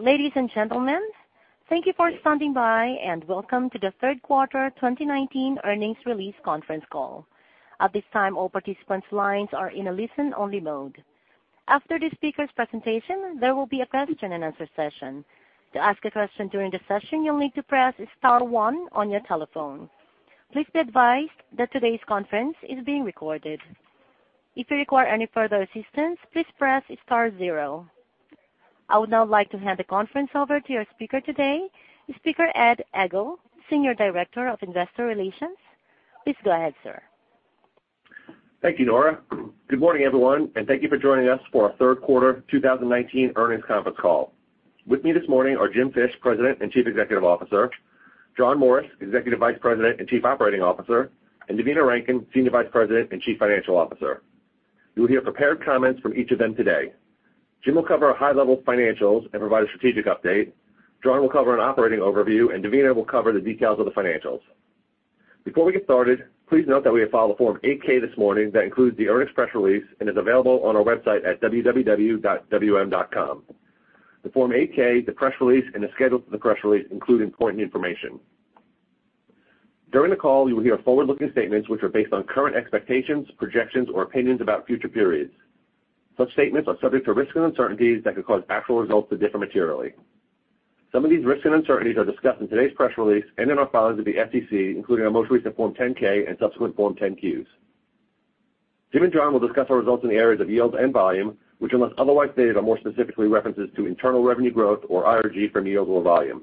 Ladies and gentlemen, thank you for standing by and welcome to the third quarter 2019 earnings release conference call. At this time, all participants' lines are in a listen-only mode. After the speaker's presentation, there will be a question and answer session. To ask a question during the session, you'll need to press star one on your telephone. Please be advised that today's conference is being recorded. If you require any further assistance, please press star zero. I would now like to hand the conference over to your speaker today, Ed Egl, Senior Director of Investor Relations. Please go ahead, sir. Thank you, Nora. Good morning, everyone, and thank you for joining us for our third quarter 2019 earnings conference call. With me this morning are Jim Fish, President and Chief Executive Officer, John Morris, Executive Vice President and Chief Operating Officer, and Devina Rankin, Senior Vice President and Chief Financial Officer. You will hear prepared comments from each of them today. Jim will cover our high-level financials and provide a strategic update. John will cover an operating overview, and Devina will cover the details of the financials. Before we get started, please note that we have filed a Form 8-K this morning that includes the earnings press release and is available on our website at www.wm.com. The Form 8-K, the press release, and the schedule to the press release include important information. During the call, you will hear forward-looking statements which are based on current expectations, projections, or opinions about future periods. Such statements are subject to risks and uncertainties that could cause actual results to differ materially. Some of these risks and uncertainties are discussed in today's press release and in our filings with the SEC, including our most recent Form 10-K and subsequent Form 10-Qs. Jim and John will discuss our results in the areas of yields and volume, which, unless otherwise stated, are more specifically references to internal revenue growth, or IRG, for yield or volume.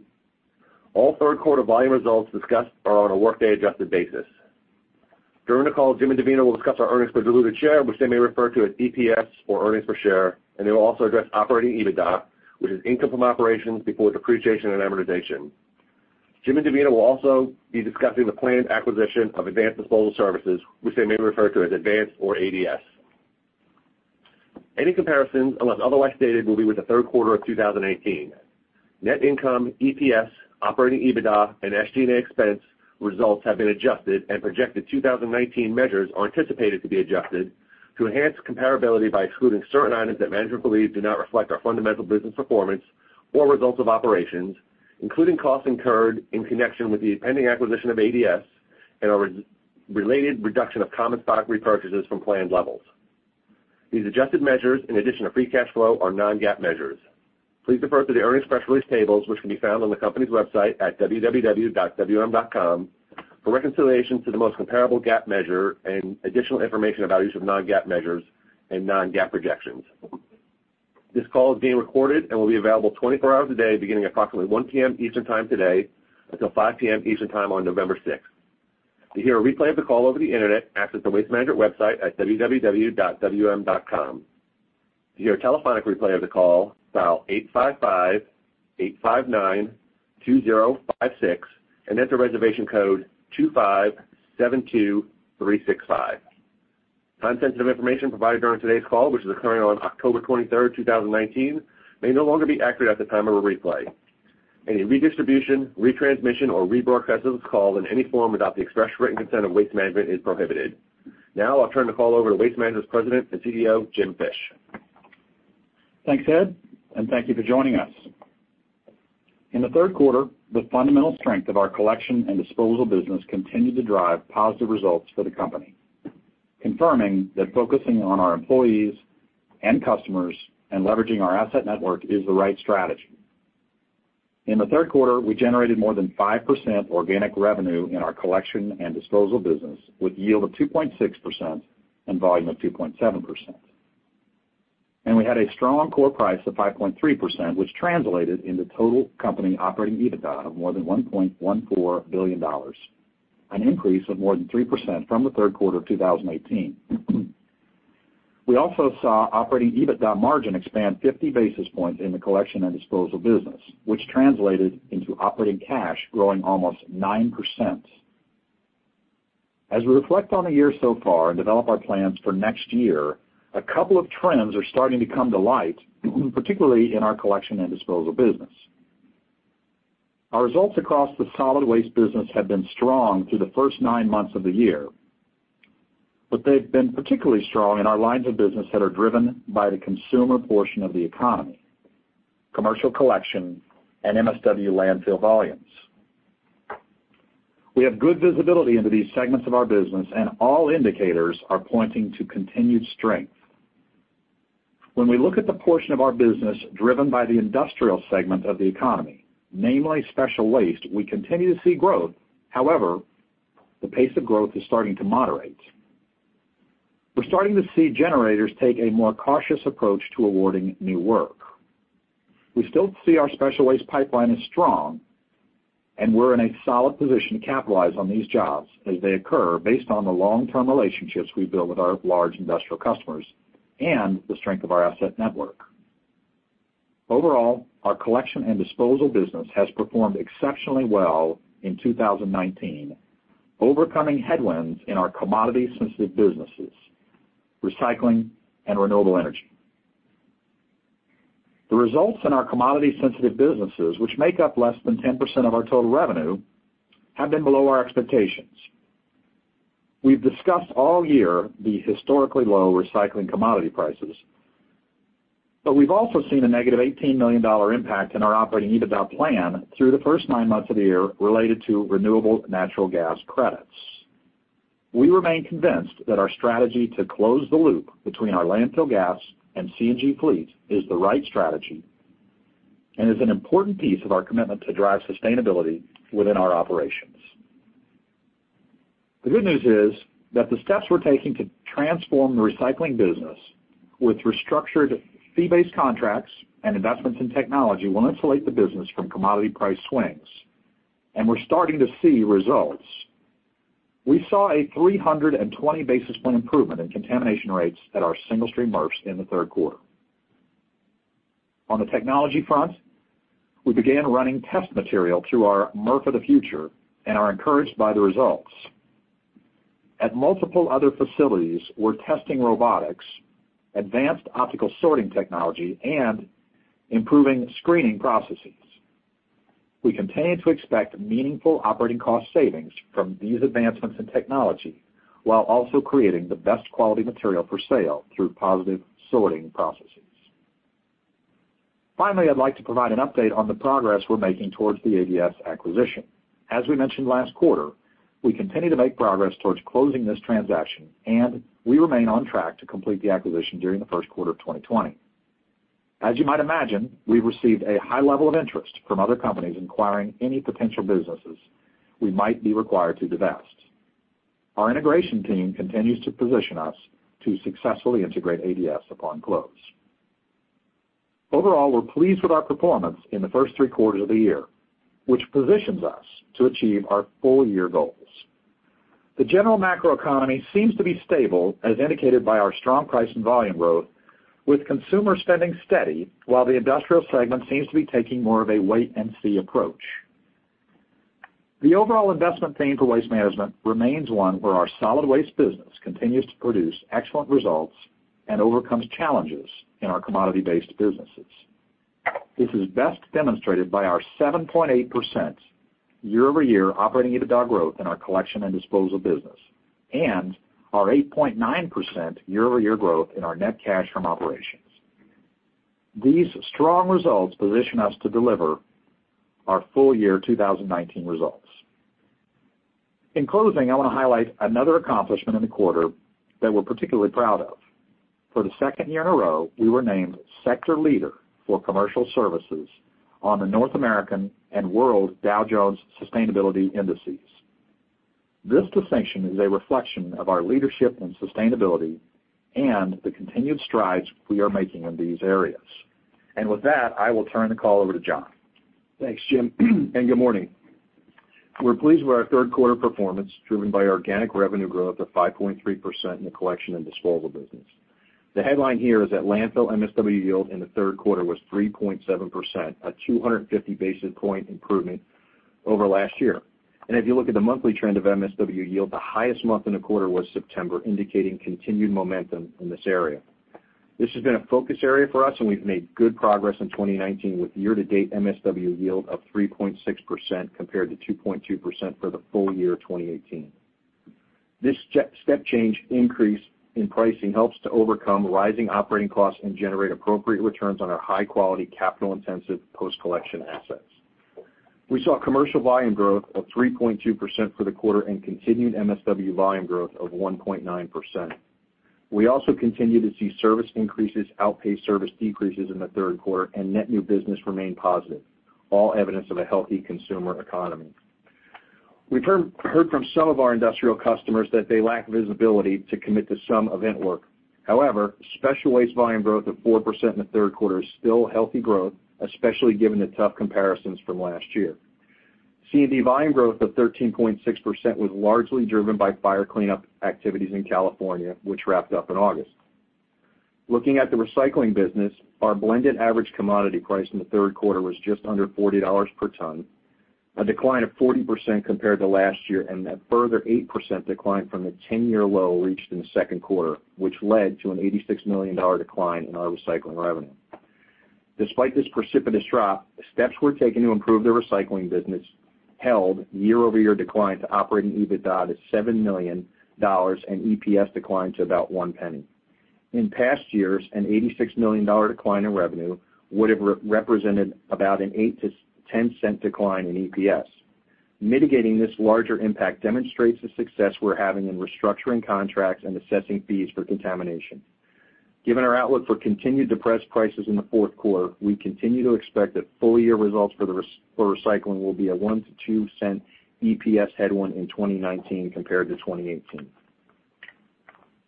All third quarter volume results discussed are on a workday adjusted basis. During the call, Jim and Devina will discuss our earnings per diluted share, which they may refer to as EPS or earnings per share, and they will also address operating EBITDA, which is income from operations before depreciation and amortization. Jim and Devina will also be discussing the planned acquisition of Advanced Disposal Services, which they may refer to as Advanced or ADS. Any comparisons, unless otherwise stated, will be with the third quarter of 2018. Net income, EPS, operating EBITDA, and SG&A expense results have been adjusted and projected 2019 measures are anticipated to be adjusted to enhance comparability by excluding certain items that management believes do not reflect our fundamental business performance or results of operations, including costs incurred in connection with the pending acquisition of ADS and our related reduction of common stock repurchases from planned levels. These adjusted measures, in addition to free cash flow, are non-GAAP measures. Please refer to the earnings press release tables, which can be found on the company's website at www.wm.com for reconciliation to the most comparable GAAP measure and additional information about use of non-GAAP measures and non-GAAP projections. This call is being recorded and will be available 24 hours a day beginning approximately 1:00 P.M. Eastern time today until 5:00 P.M. Eastern time on November 6th. To hear a replay of the call over the internet, access the Waste Management website at www.wm.com. To hear a telephonic replay of the call, dial 855-859-2056 and enter reservation code 2572365. Time-sensitive information provided during today's call, which is occurring on October 23rd, 2019, may no longer be accurate at the time of a replay. Any redistribution, retransmission, or rebroadcast of this call in any form without the express written consent of Waste Management is prohibited. Now I'll turn the call over to Waste Management's President and CEO, Jim Fish. Thanks, Ed. Thank you for joining us. In the third quarter, the fundamental strength of our collection and disposal business continued to drive positive results for the company, confirming that focusing on our employees and customers and leveraging our asset network is the right strategy. In the third quarter, we generated more than 5% organic revenue in our collection and disposal business with yield of 2.6% and volume of 2.7%. We had a strong core price of 5.3%, which translated into total company operating EBITDA of more than $1.14 billion, an increase of more than 3% from the third quarter of 2018. We also saw operating EBITDA margin expand 50 basis points in the collection and disposal business, which translated into operating cash growing almost 9%. As we reflect on the year so far and develop our plans for next year, a couple of trends are starting to come to light, particularly in our collection and disposal business. Our results across the solid waste business have been strong through the first nine months of the year, but they've been particularly strong in our lines of business that are driven by the consumer portion of the economy, commercial collection, and MSW landfill volumes. We have good visibility into these segments of our business, and all indicators are pointing to continued strength. When we look at the portion of our business driven by the industrial segment of the economy, namely special waste, we continue to see growth. However, the pace of growth is starting to moderate. We're starting to see generators take a more cautious approach to awarding new work. We still see our special waste pipeline is strong, and we're in a solid position to capitalize on these jobs as they occur based on the long-term relationships we've built with our large industrial customers and the strength of our asset network. Overall, our collection and disposal business has performed exceptionally well in 2019, overcoming headwinds in our commodity-sensitive businesses, recycling and renewable energy. The results in our commodity-sensitive businesses, which make up less than 10% of our total revenue, have been below our expectations. We've discussed all year the historically low recycling commodity prices, but we've also seen a negative $18 million impact in our operating EBITDA plan through the first nine months of the year related to renewable natural gas credits. We remain convinced that our strategy to close the loop between our landfill gas and CNG fleet is the right strategy and is an important piece of our commitment to drive sustainability within our operations. The good news is that the steps we're taking to transform the recycling business with restructured fee-based contracts and investments in technology will insulate the business from commodity price swings, and we're starting to see results. We saw a 320 basis point improvement in contamination rates at our single-stream MRFs in the third quarter. On the technology front, we began running test material through our MRF of the future and are encouraged by the results. At multiple other facilities, we're testing robotics, advanced optical sorting technology, and improving screening processes. We continue to expect meaningful operating cost savings from these advancements in technology while also creating the best quality material for sale through positive sorting processes. Finally, I'd like to provide an update on the progress we're making towards the ADS acquisition. As we mentioned last quarter, we continue to make progress towards closing this transaction, and we remain on track to complete the acquisition during the first quarter of 2020. As you might imagine, we've received a high level of interest from other companies inquiring any potential businesses we might be required to divest. Our integration team continues to position us to successfully integrate ADS upon close. Overall, we're pleased with our performance in the first three quarters of the year, which positions us to achieve our full year goals. The general macroeconomy seems to be stable as indicated by our strong price and volume growth, with consumer spending steady while the industrial segment seems to be taking more of a wait and see approach. The overall investment theme for Waste Management remains one where our solid waste business continues to produce excellent results and overcomes challenges in our commodity-based businesses. This is best demonstrated by our 7.8% year-over-year operating EBITDA growth in our collection and disposal business and our 8.9% year-over-year growth in our net cash from operations. These strong results position us to deliver our full year 2019 results. In closing, I want to highlight another accomplishment in the quarter that we're particularly proud of. For the second year in a row, we were named sector leader for commercial services on the North American and World Dow Jones Sustainability Indices. This distinction is a reflection of our leadership in sustainability and the continued strides we are making in these areas. With that, I will turn the call over to John. Thanks, Jim, and good morning. We're pleased with our third quarter performance, driven by organic revenue growth of 5.3% in the collection and disposal business. The headline here is that landfill MSW yield in the third quarter was 3.7%, a 250 basis point improvement over last year. If you look at the monthly trend of MSW yield, the highest month in the quarter was September, indicating continued momentum in this area. This has been a focus area for us, and we've made good progress in 2019 with year-to-date MSW yield of 3.6% compared to 2.2% for the full year 2018. This step change increase in pricing helps to overcome rising operating costs and generate appropriate returns on our high-quality, capital-intensive post-collection assets. We saw commercial volume growth of 3.2% for the quarter and continued MSW volume growth of 1.9%. We also continue to see service increases outpace service decreases in the third quarter and net new business remain positive, all evidence of a healthy consumer economy. We've heard from some of our industrial customers that they lack visibility to commit to some event work. However, special waste volume growth of 4% in the third quarter is still a healthy growth, especially given the tough comparisons from last year. C&D volume growth of 13.6% was largely driven by fire cleanup activities in California, which wrapped up in August. Looking at the recycling business, our blended average commodity price in the third quarter was just under $40 per ton, a decline of 40% compared to last year, and a further 8% decline from the 10-year low reached in the second quarter, which led to an $86 million decline in our recycling revenue. Despite this precipitous drop, the steps we're taking to improve the recycling business held year-over-year decline to operating EBITDA to $7 million and EPS decline to about $0.01. In past years, an $86 million decline in revenue would have represented about an $0.08-$0.10 decline in EPS. Mitigating this larger impact demonstrates the success we're having in restructuring contracts and assessing fees for contamination. Given our outlook for continued depressed prices in the fourth quarter, we continue to expect that full year results for recycling will be a $0.01-$0.02 EPS headwind in 2019 compared to 2018.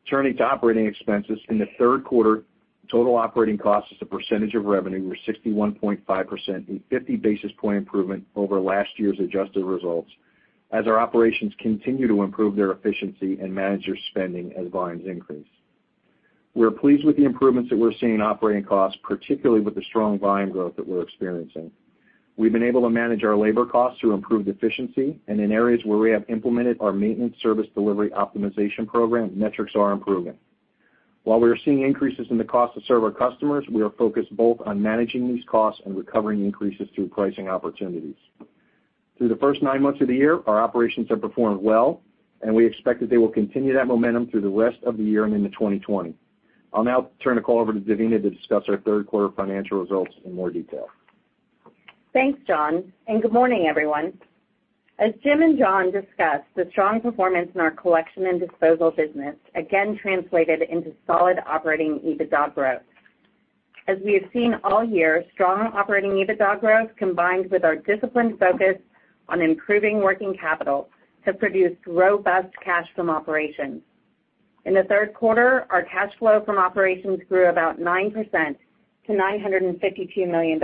Turning to operating expenses. In the third quarter, total operating costs as a percentage of revenue were 61.5%, a 50 basis point improvement over last year's adjusted results as our operations continue to improve their efficiency and manage their spending as volumes increase. We are pleased with the improvements that we're seeing in operating costs, particularly with the strong volume growth that we're experiencing. We've been able to manage our labor costs through improved efficiency. In areas where we have implemented our maintenance service delivery optimization program, metrics are improving. While we are seeing increases in the cost to serve our customers, we are focused both on managing these costs and recovering increases through pricing opportunities. Through the first nine months of the year, our operations have performed well, and we expect that they will continue that momentum through the rest of the year and into 2020. I'll now turn the call over to Devina to discuss our third quarter financial results in more detail. Thanks, John, and good morning, everyone. As Jim and John discussed, the strong performance in our collection and disposal business again translated into solid operating EBITDA growth. As we have seen all year, strong operating EBITDA growth, combined with our disciplined focus on improving working capital, have produced robust cash from operations. In the third quarter, our cash flow from operations grew about 9% to $952 million.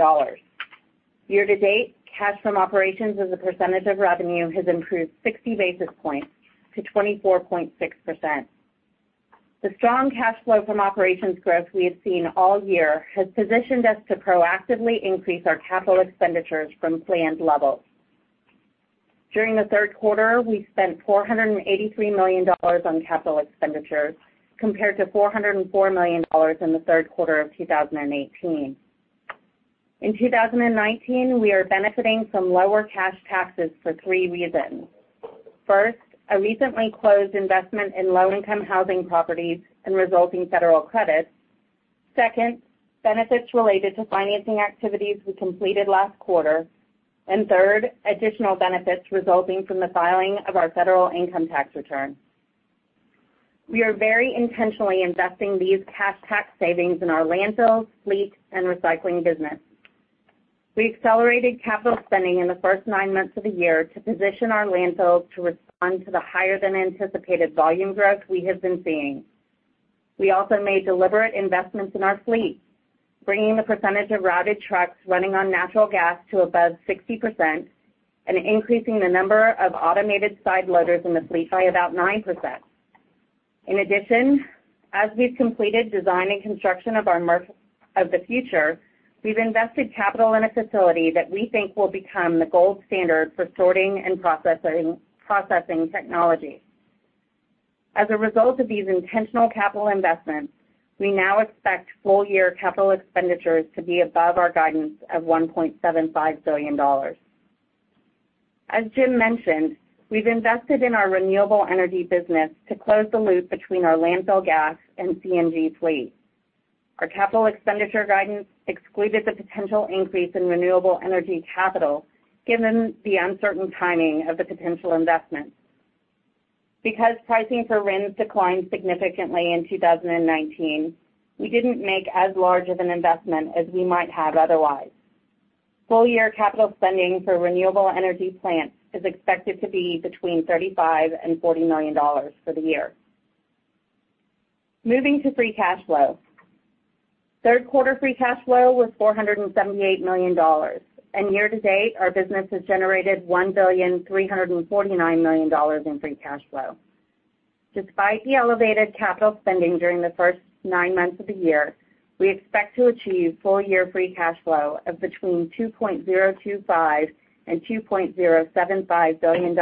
Year-to-date, cash from operations as a percentage of revenue has improved 60 basis points to 24.6%. The strong cash flow from operations growth we have seen all year has positioned us to proactively increase our capital expenditures from planned levels. During the third quarter, we spent $483 million on capital expenditures compared to $404 million in the third quarter of 2018. In 2019, we are benefiting from lower cash taxes for three reasons. First, a recently closed investment in low-income housing properties and resulting federal credits. Second, benefits related to financing activities we completed last quarter. Third, additional benefits resulting from the filing of our federal income tax return. We are very intentionally investing these cash tax savings in our landfills, fleet, and recycling business. We accelerated capital spending in the first nine months of the year to position our landfills to respond to the higher than anticipated volume growth we have been seeing. We also made deliberate investments in our fleet, bringing the percentage of routed trucks running on natural gas to above 60% and increasing the number of automated side loaders in the fleet by about 9%. In addition, as we've completed design and construction of our MRF of the future, we've invested capital in a facility that we think will become the gold standard for sorting and processing technology. As a result of these intentional capital investments, we now expect full-year capital expenditures to be above our guidance of $1.75 billion. As Jim mentioned, we've invested in our renewable energy business to close the loop between our landfill gas and CNG fleet. Our capital expenditure guidance excluded the potential increase in renewable energy capital, given the uncertain timing of the potential investments. Because pricing for RINs declined significantly in 2019, we didn't make as large of an investment as we might have otherwise. Full-year capital spending for renewable energy plants is expected to be between $35 and $40 million for the year. Moving to free cash flow. Third quarter free cash flow was $478 million. Year-to-date, our business has generated $1,349,000,000 in free cash flow. Despite the elevated capital spending during the first nine months of the year, we expect to achieve full-year free cash flow of between $2.025 billion and $2.075 billion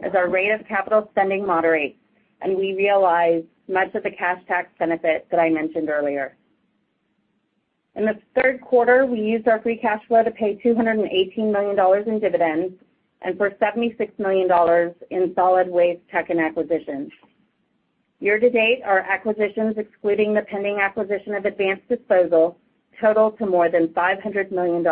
as our rate of capital spending moderates and we realize much of the cash tax benefit that I mentioned earlier. In the third quarter, we used our free cash flow to pay $218 million in dividends and for $76 million in solid waste tech and acquisitions. Year-to-date, our acquisitions, excluding the pending acquisition of Advanced Disposal Services, total to more than $500 million.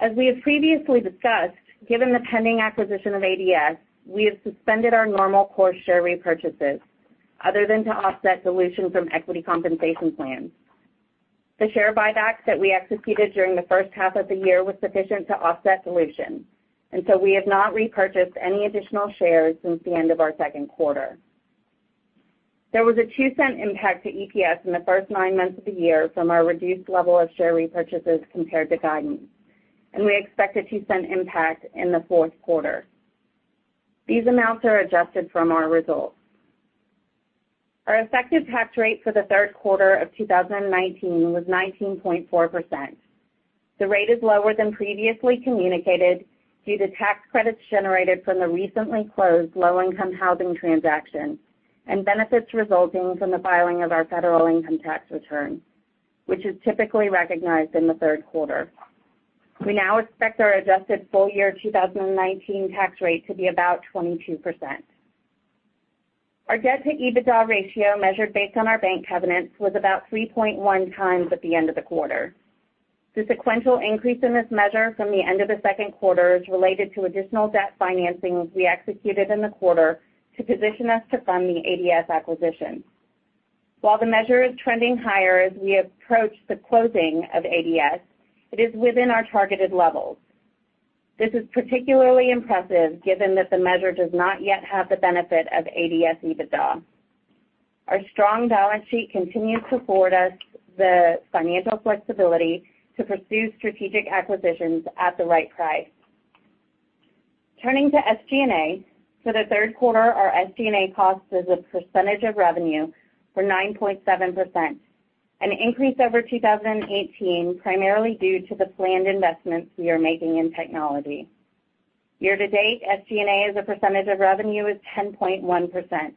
As we have previously discussed, given the pending acquisition of ADS, we have suspended our normal core share repurchases other than to offset dilution from equity compensation plans. The share buybacks that we executed during the first half of the year were sufficient to offset dilution, and so we have not repurchased any additional shares since the end of our second quarter. There was a $0.02 impact to EPS in the first nine months of the year from our reduced level of share repurchases compared to guidance, and we expect a $0.02 impact in the fourth quarter. These amounts are adjusted from our results. Our effective tax rate for the third quarter of 2019 was 19.4%. The rate is lower than previously communicated due to tax credits generated from the recently closed low-income housing transaction and benefits resulting from the filing of our federal income tax return, which is typically recognized in the third quarter. We now expect our adjusted full-year 2019 tax rate to be about 22%. Our debt-to-EBITDA ratio, measured based on our bank covenants, was about 3.1 times at the end of the quarter. The sequential increase in this measure from the end of the second quarter is related to additional debt financings we executed in the quarter to position us to fund the ADS acquisition. While the measure is trending higher as we approach the closing of ADS, it is within our targeted levels. This is particularly impressive given that the measure does not yet have the benefit of ADS EBITDA. Our strong balance sheet continues to afford us the financial flexibility to pursue strategic acquisitions at the right price. Turning to SG&A. For the third quarter, our SG&A costs as a percentage of revenue were 9.7%, an increase over 2018, primarily due to the planned investments we are making in technology. Year-to-date, SG&A as a percentage of revenue is 10.1%,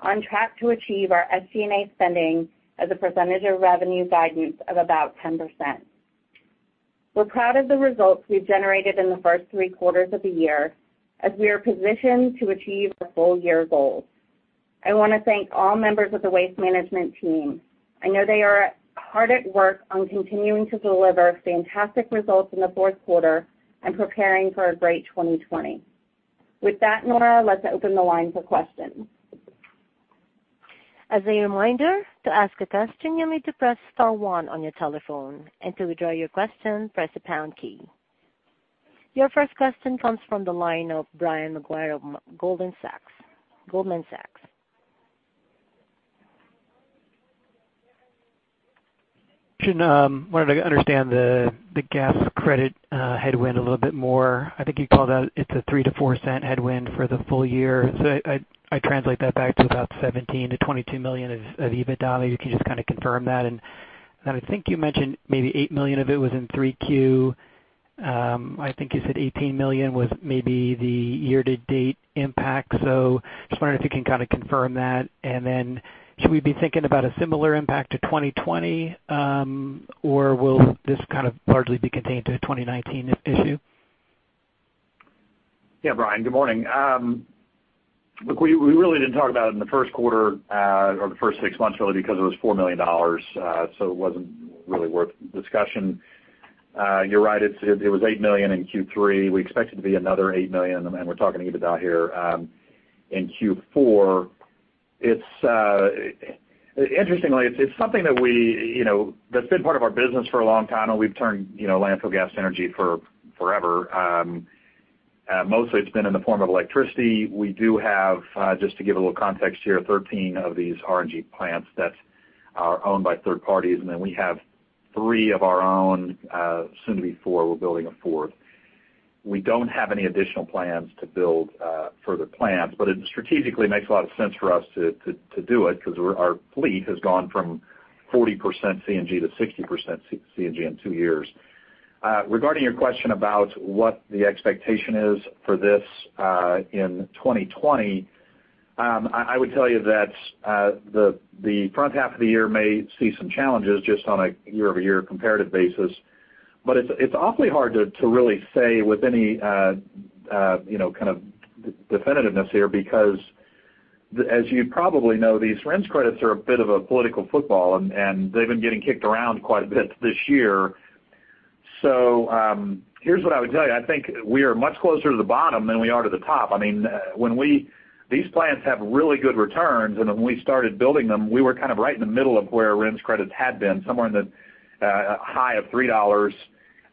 on track to achieve our SG&A spending as a percentage of revenue guidance of about 10%. We're proud of the results we've generated in the first three quarters of the year, as we are positioned to achieve our full-year goals. I want to thank all members of the Waste Management team. I know they are hard at work on continuing to deliver fantastic results in the fourth quarter and preparing for a great 2020. With that, Nora, let's open the line for questions. As a reminder, to ask a question, you'll need to press star one on your telephone. To withdraw your question, press the pound key. Your first question comes from the line of Brian Maguire of Goldman Sachs. Jim, I wanted to understand the gas credit headwind a little bit more. I think you called out, it's a $0.03-$0.04 headwind for the full year. I translate that back to about $17 million-$22 million of EBITDA. You can just confirm that? I think you mentioned maybe $8 million of it was in 3Q. I think you said $18 million was maybe the year-to-date impact. Just wondering if you can confirm that. Then should we be thinking about a similar impact to 2020, or will this largely be contained to a 2019 issue? Brian, good morning. We really didn't talk about it in the first quarter, or the first six months, really, because it was $4 million, so it wasn't really worth the discussion. You're right, it was $8 million in Q3. We expect it to be another $8 million, and we're talking EBITDA here, in Q4. Interestingly, it's something that's been part of our business for a long time, and we've turned landfill gas energy for forever. Mostly it's been in the form of electricity. We do have, just to give a little context here, 13 of these RNG plants that are owned by third parties, and then we have three of our own, soon to be four. We're building a fourth. We don't have any additional plans to build further plants, but it strategically makes a lot of sense for us to do it because our fleet has gone from 40% CNG to 60% CNG in two years. Regarding your question about what the expectation is for this in 2020, I would tell you that the front half of the year may see some challenges just on a year-over-year comparative basis. It's awfully hard to really say with any kind of definitiveness here, because as you probably know, these RIN credits are a bit of a political football, and they've been getting kicked around quite a bit this year. Here's what I would tell you. I think we are much closer to the bottom than we are to the top. These plants have really good returns, and when we started building them, we were right in the middle of where RIN credits had been, somewhere in the high of $3,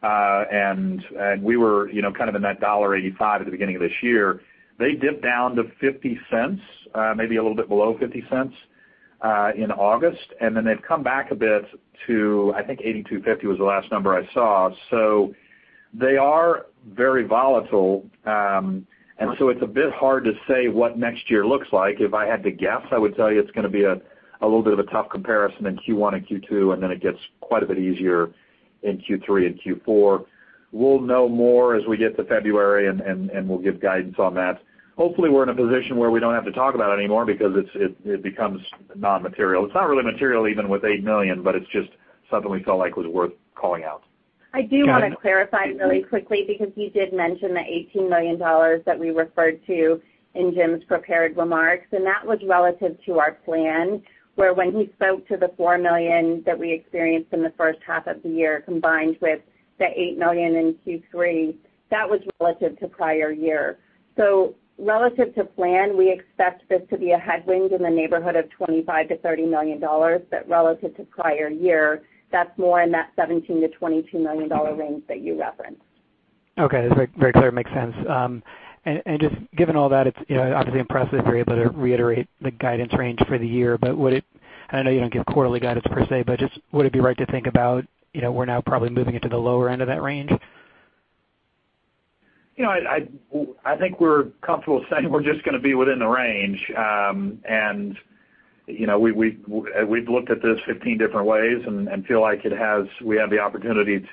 and we were in that $1.85 at the beginning of this year. They dipped down to $0.50, maybe a little bit below $0.50, in August, and then they've come back a bit to, I think, $0.825 was the last number I saw. They are very volatile, and so it's a bit hard to say what next year looks like. If I had to guess, I would tell you it's going to be a little bit of a tough comparison in Q1 and Q2, and then it gets quite a bit easier in Q3 and Q4. We'll know more as we get to February, and we'll give guidance on that. Hopefully, we're in a position where we don't have to talk about it anymore because it becomes non-material. It's not really material even with $8 million, but it's just something we felt like was worth calling out. I do want to clarify really quickly, because you did mention the $18 million that we referred to in Jim's prepared remarks. That was relative to our plan, where when he spoke to the $4 million that we experienced in the first half of the year, combined with the $8 million in Q3, that was relative to prior year. Relative to plan, we expect this to be a headwind in the neighborhood of $25 million-$30 million. Relative to prior year, that's more in that $17 million-$22 million range that you referenced. Okay. That's very clear. Makes sense. Just given all that, it's obviously impressive you were able to reiterate the guidance range for the year. I know you don't give quarterly guidance per se, but just would it be right to think about we're now probably moving into the lower end of that range? I think we're comfortable saying we're just going to be within the range. We've looked at this 15 different ways and feel like we have the opportunity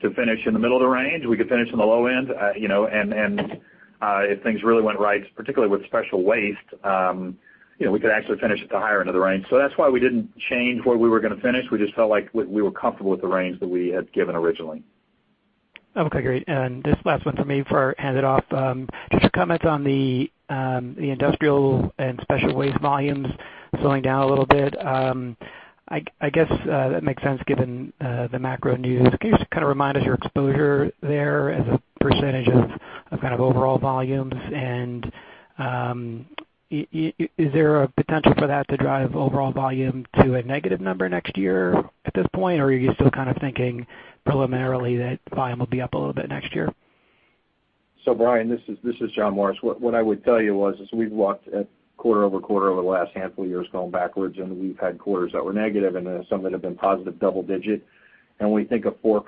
to finish in the middle of the range. We could finish on the low end, and if things really went right, particularly with special waste, we could actually finish at the higher end of the range. That's why we didn't change where we were going to finish. We just felt like we were comfortable with the range that we had given originally. Okay, great. Just last one from me before I hand it off. Just your comments on the industrial and special waste volumes slowing down a little bit. I guess that makes sense given the macro news. Can you just remind us your exposure there as a percentage of kind of overall volumes? Is there a potential for that to drive overall volume to a negative number next year at this point, or are you still kind of thinking preliminarily that volume will be up a little bit next year? Brian, this is John Morris. What I would tell you is, we've looked at quarter-over-quarter over the last handful of years going backwards. We've had quarters that were negative and some that have been positive double-digit. When we think of 4%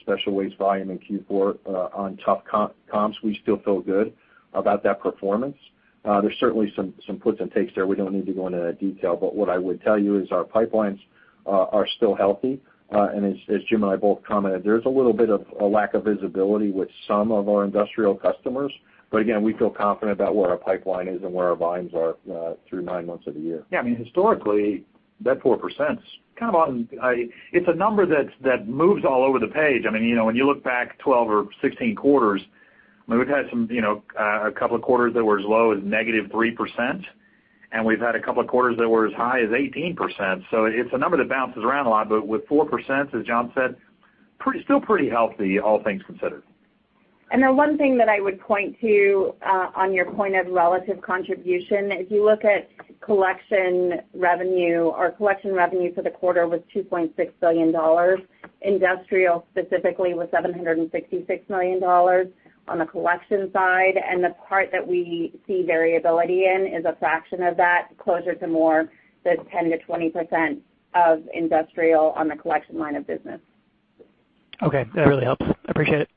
special waste volume in Q4 on tough comps, we still feel good about that performance. There's certainly some puts and takes there. We don't need to go into that detail. What I would tell you is our pipelines Are still healthy. As Jim and I both commented, there is a little bit of a lack of visibility with some of our industrial customers, but again, we feel confident about where our pipeline is and where our volumes are through nine months of the year. Yeah. Historically, that 4% is a number that moves all over the page. When you look back 12 or 16 quarters, we've had a couple of quarters that were as low as negative 3%, and we've had a couple of quarters that were as high as 18%. It's a number that bounces around a lot, but with 4%, as John said, still pretty healthy, all things considered. The one thing that I would point to on your point of relative contribution, if you look at collection revenue, our collection revenue for the quarter was $2.6 billion. Industrial specifically was $766 million on the collection side. The part that we see variability in is a fraction of that, closer to more the 10%-20% of Industrial on the collection line of business. Okay, that really helps. I appreciate it.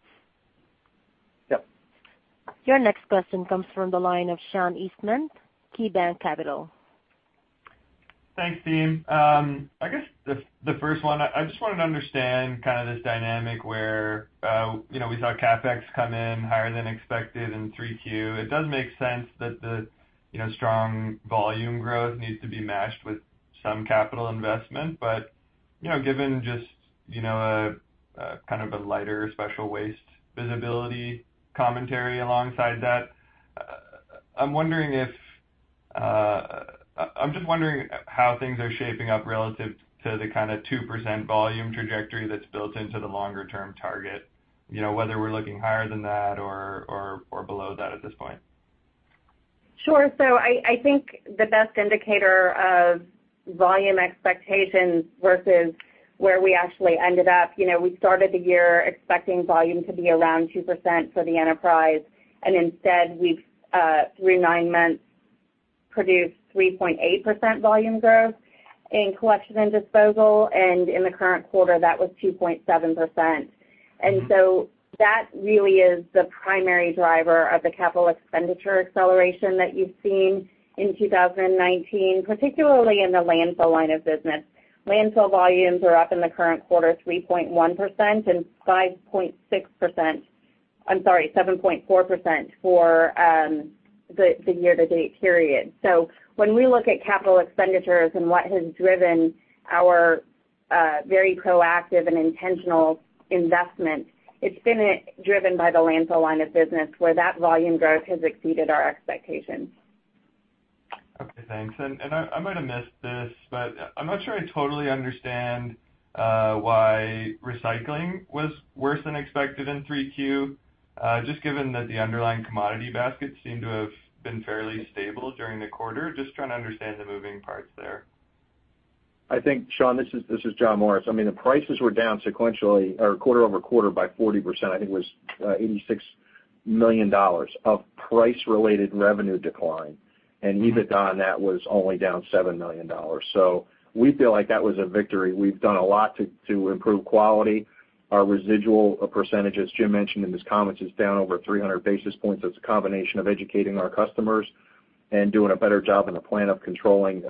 Yep. Your next question comes from the line of Sean Eastman, KeyBanc Capital. Thanks, team. I guess the first one, I just wanted to understand this dynamic where we saw CapEx come in higher than expected in 3Q. It does make sense that the strong volume growth needs to be matched with some capital investment. Given just a lighter special waste visibility commentary alongside that, I'm just wondering how things are shaping up relative to the kind of 2% volume trajectory that's built into the longer-term target, whether we're looking higher than that or below that at this point. Sure. I think the best indicator of volume expectations versus where we actually ended up, we started the year expecting volume to be around 2% for the enterprise, instead we've, through nine months, produced 3.8% volume growth in collection and disposal, and in the current quarter, that was 2.7%. That really is the primary driver of the capital expenditure acceleration that you've seen in 2019, particularly in the landfill line of business. Landfill volumes are up in the current quarter 3.1% and 7.4% for the year-to-date period. When we look at capital expenditures and what has driven our very proactive and intentional investment, it's been driven by the landfill line of business where that volume growth has exceeded our expectations. Okay, thanks. I might have missed this, but I'm not sure I totally understand why recycling was worse than expected in three Q, just given that the underlying commodity basket seemed to have been fairly stable during the quarter. Just trying to understand the moving parts there. Sean, this is John Morris. The prices were down sequentially or quarter-over-quarter by 40%. It was $86 million of price-related revenue decline, and EBITDA on that was only down $7 million. We feel like that was a victory. We've done a lot to improve quality. Our residual percentage, as Jim mentioned in his comments, is down over 300 basis points. That's a combination of educating our customers and doing a better job in the plant of controlling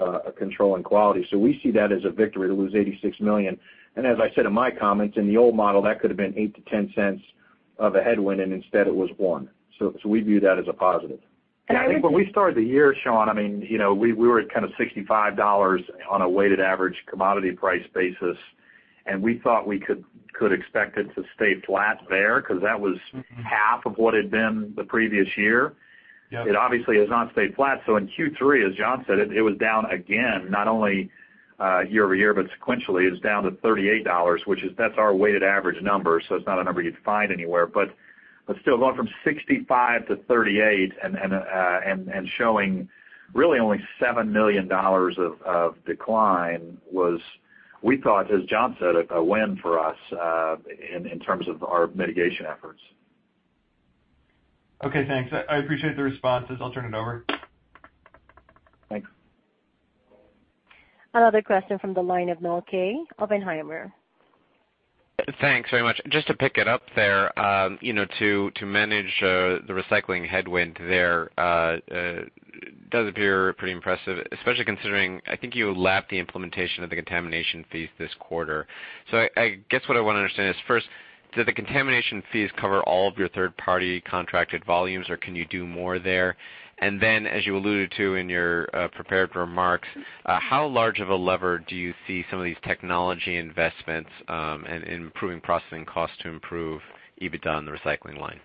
quality. We see that as a victory, to lose $86 million. As I said in my comments, in the old model, that could have been $0.08-$0.10 of a headwind, and instead it was one. We view that as a positive. I think when we started the year, Sean, we were at $65 on a weighted average commodity price basis, and we thought we could expect it to stay flat there because that was half of what it had been the previous year. Yep. It obviously has not stayed flat. In Q3, as John said, it was down again, not only year-over-year, but sequentially, it was down to $38, which that's our weighted average number. It's not a number you'd find anywhere. Still, going from $65 to $38 and showing really only $7 million of decline was, we thought, as John said, a win for us in terms of our mitigation efforts. Okay, thanks. I appreciate the responses. I'll turn it over. Thanks. Another question from the line of Noah Kaye, Oppenheimer. Thanks very much. Just to pick it up there, to manage the recycling headwind there, does appear pretty impressive, especially considering, I think you lapped the implementation of the contamination fees this quarter. I guess what I want to understand is first, do the contamination fees cover all of your third-party contracted volumes, or can you do more there? As you alluded to in your prepared remarks, how large of a lever do you see some of these technology investments in improving processing costs to improve EBITDA in the recycling line?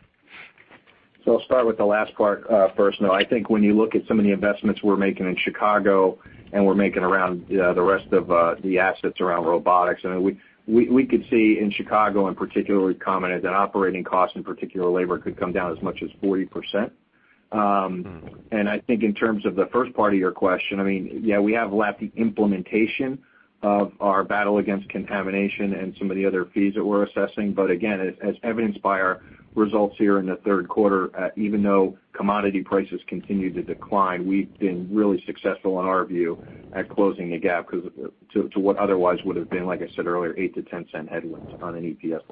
I'll start with the last part first, Noah. I think when you look at some of the investments we're making in Chicago and we're making around the rest of the assets around robotics, we could see in Chicago, in particular, we commented that operating costs and particular labor could come down as much as 40%. I think in terms of the first part of your question, yeah, we have lapped the implementation of our battle against contamination and some of the other fees that we're assessing. Again, as evidenced by our results here in the third quarter, even though commodity prices continue to decline, we've been really successful in our view at closing the gap to what otherwise would have been, like I said earlier, $0.08-$0.10 headwinds on an EPS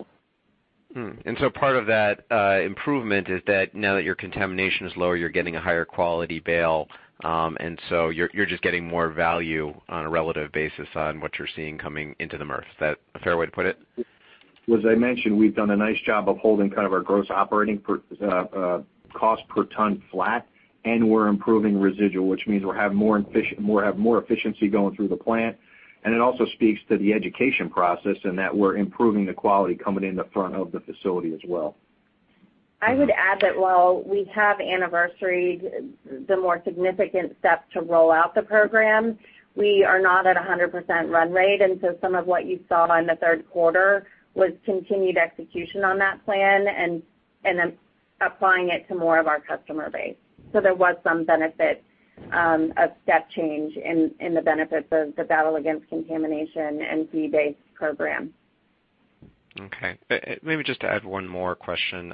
level. Part of that improvement is that now that your contamination is lower, you are getting a higher quality bale, and so you are just getting more value on a relative basis on what you are seeing coming into the MRF. Is that a fair way to put it? As I mentioned, we've done a nice job of holding our gross operating cost per ton flat, and we're improving residual, which means we have more efficiency going through the plant. It also speaks to the education process in that we're improving the quality coming in the front of the facility as well. I would add that while we have anniversaried the more significant steps to roll out the program, we are not at 100% run rate. Some of what you saw in the third quarter was continued execution on that plan and then applying it to more of our customer base. There was some benefit of step change in the benefits of the battle against contamination and fee-based program. Okay. Maybe just to add one more question.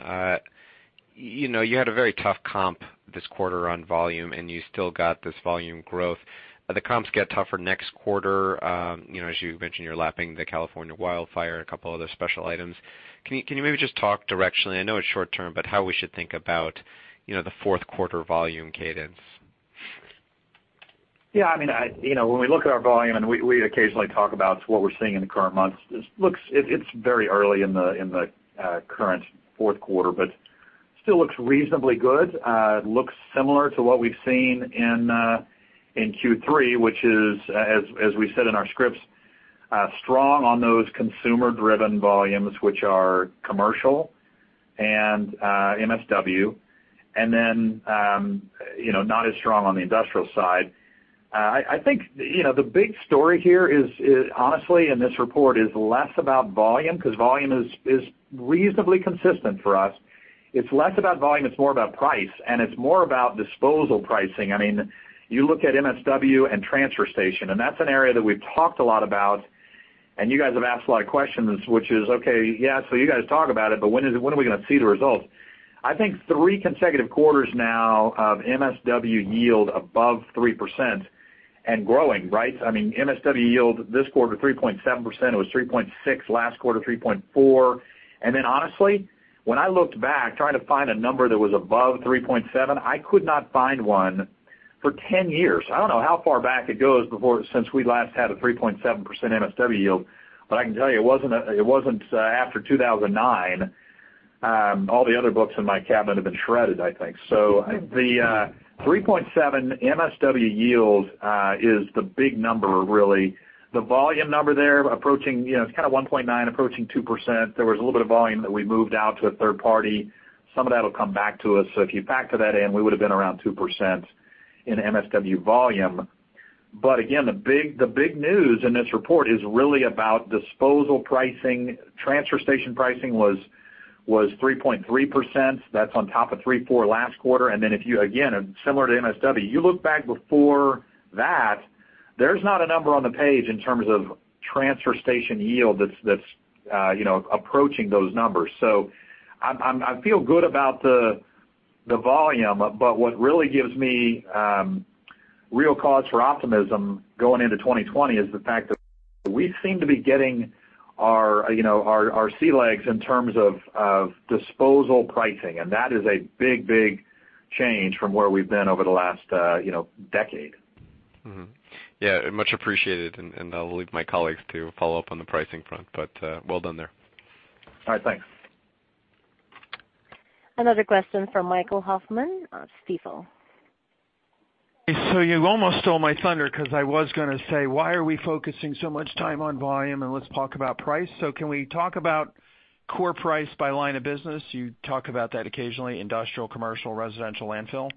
You had a very tough comp this quarter on volume, and you still got this volume growth. The comps get tougher next quarter. As you mentioned, you're lapping the California wildfire and a couple other special items. Can you maybe just talk directionally? I know it's short term, but how we should think about the fourth quarter volume cadence? When we look at our volume, and we occasionally talk about what we're seeing in the current months, it's very early in the current fourth quarter, but still looks reasonably good. It looks similar to what we've seen in Q3, which is, as we said in our scripts, strong on those consumer-driven volumes, which are commercial and MSW, then not as strong on the industrial side. I think, the big story here is, honestly, in this report is less about volume, because volume is reasonably consistent for us. It's less about volume, it's more about price, and it's more about disposal pricing. You look at MSW and transfer station, and that's an area that we've talked a lot about, and you guys have asked a lot of questions, which is, "Okay, yeah, so you guys talk about it, but when are we going to see the results?" I think three consecutive quarters now of MSW yield above 3% and growing, right? MSW yield this quarter, 3.7%. It was 3.6% last quarter, 3.4%. Then honestly, when I looked back trying to find a number that was above 3.7, I could not find one for 10 years. I don't know how far back it goes since we last had a 3.7% MSW yield. I can tell you it wasn't after 2009. All the other books in my cabinet have been shredded, I think. The 3.7 MSW yield is the big number really. The volume number there, it's kind of 1.9 approaching 2%. There was a little bit of volume that we moved out to a third party. Some of that will come back to us. If you factor that in, we would have been around 2% in MSW volume. Again, the big news in this report is really about disposal pricing. Transfer station pricing was 3.3%. That's on top of 3.4% last quarter. If you, again, similar to MSW, you look back before that, there's not a number on the page in terms of transfer station yield that's approaching those numbers. I feel good about the volume, but what really gives me real cause for optimism going into 2020 is the fact that we seem to be getting our sea legs in terms of disposal pricing, and that is a big change from where we've been over the last decade. Yeah, much appreciated, and I'll leave my colleagues to follow up on the pricing front, but well done there. All right, thanks. Another question from Michael Hoffman of Stifel. You almost stole my thunder because I was going to say, why are we focusing so much time on volume and let's talk about price? Can we talk about core price by line of business? You talk about that occasionally, industrial, commercial, residential landfill.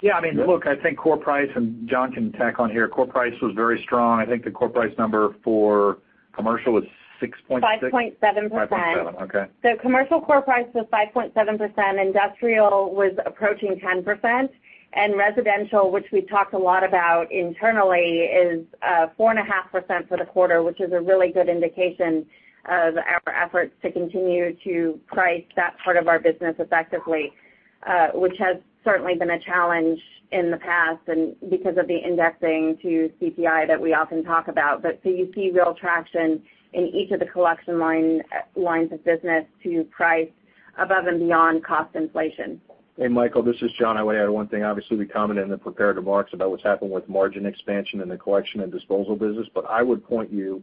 Yeah. Look, I think core price, and John can tack on here, core price was very strong. I think the core price number for commercial was 6.6%? 5.7%. 5.7, okay. Commercial core price was 5.7%, industrial was approaching 10%, and residential, which we talked a lot about internally, is 4.5% for the quarter, which is a really good indication of our efforts to continue to price that part of our business effectively, which has certainly been a challenge in the past and because of the indexing to CPI that we often talk about. You see real traction in each of the collection lines of business to price above and beyond cost inflation. Hey, Michael, this is John. I would add one thing. Obviously, we commented in the prepared remarks about what's happened with margin expansion in the collection and disposal business, but I would point you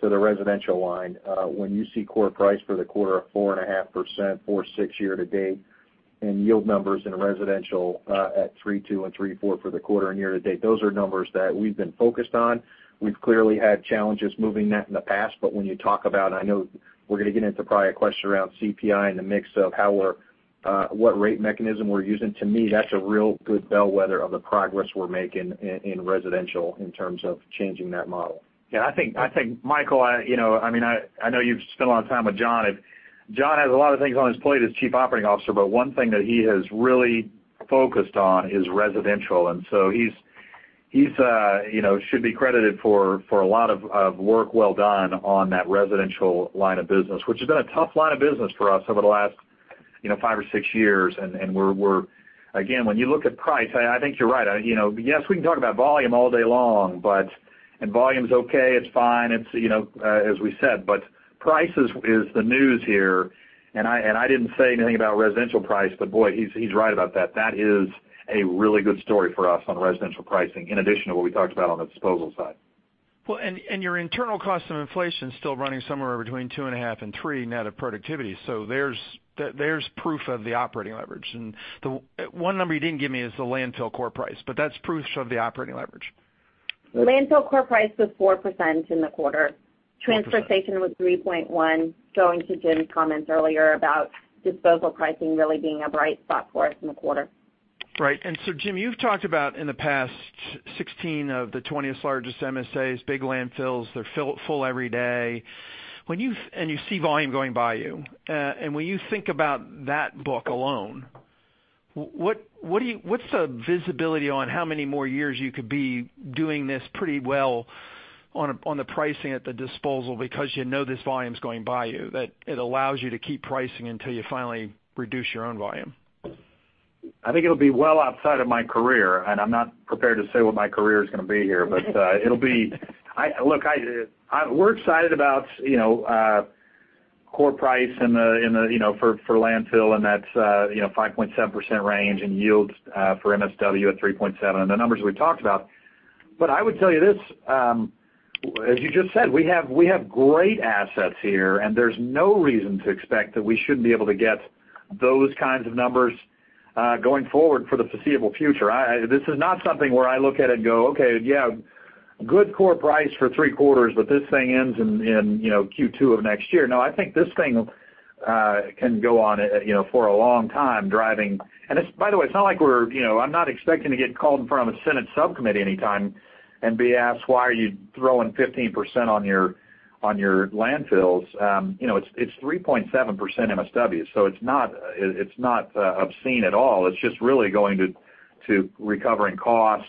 to the residential line. When you see core price for the quarter of 4.5%, 4.6% year to date, and yield numbers in residential at 3.2% and 3.4% for the quarter and year to date, those are numbers that we've been focused on. We've clearly had challenges moving that in the past. When you talk about, I know we're going to get into probably a question around CPI and the mix of what rate mechanism we're using. To me, that's a real good bellwether of the progress we're making in residential in terms of changing that model. Yeah, I think, Michael, I know you've spent a lot of time with John. John has a lot of things on his plate as Chief Operating Officer, but one thing that he has really focused on is residential, and so he should be credited for a lot of work well done on that residential line of business, which has been a tough line of business for us over the last five or six years. We're, again, when you look at price, I think you're right. Yes, we can talk about volume all day long, and volume's okay, it's fine as we said, but price is the news here, and I didn't say anything about residential price, but boy, he's right about that. That is a really good story for us on residential pricing, in addition to what we talked about on the disposal side. Well, your internal cost of inflation's still running somewhere between two and a half and three net of productivity, so there's proof of the operating leverage. The one number you didn't give me is the landfill core price, but that's proof of the operating leverage. Landfill core price was 4% in the quarter. 4%. Transportation was 3.1, going to Jim's comments earlier about disposal pricing really being a bright spot for us in the quarter. Right. Jim, you've talked about in the past 16 of the 20th largest MSAs, big landfills, they're full every day. You see volume going by you. When you think about that book alone, what's the visibility on how many more years you could be doing this pretty well on the pricing at the disposal because you know this volume's going by you, that it allows you to keep pricing until you finally reduce your own volume? I think it'll be well outside of my career, and I'm not prepared to say what my career is going to be here. Look, we're excited about core price for landfill, and that's 5.7% range and yields for MSW at 3.7% on the numbers we've talked about. I would tell you this, as you just said, we have great assets here, and there's no reason to expect that we shouldn't be able to get those kinds of numbers going forward for the foreseeable future. This is not something where I look at it and go, "Okay, yeah, good core price for three quarters, but this thing ends in Q2 of next year." I think this thing can go on for a long time driving. By the way, I'm not expecting to get called in front of a Senate subcommittee anytime and be asked, "Why are you throwing 15% on your landfills?" It's 3.7% MSW, it's not obscene at all. It's just really going to recovering cost,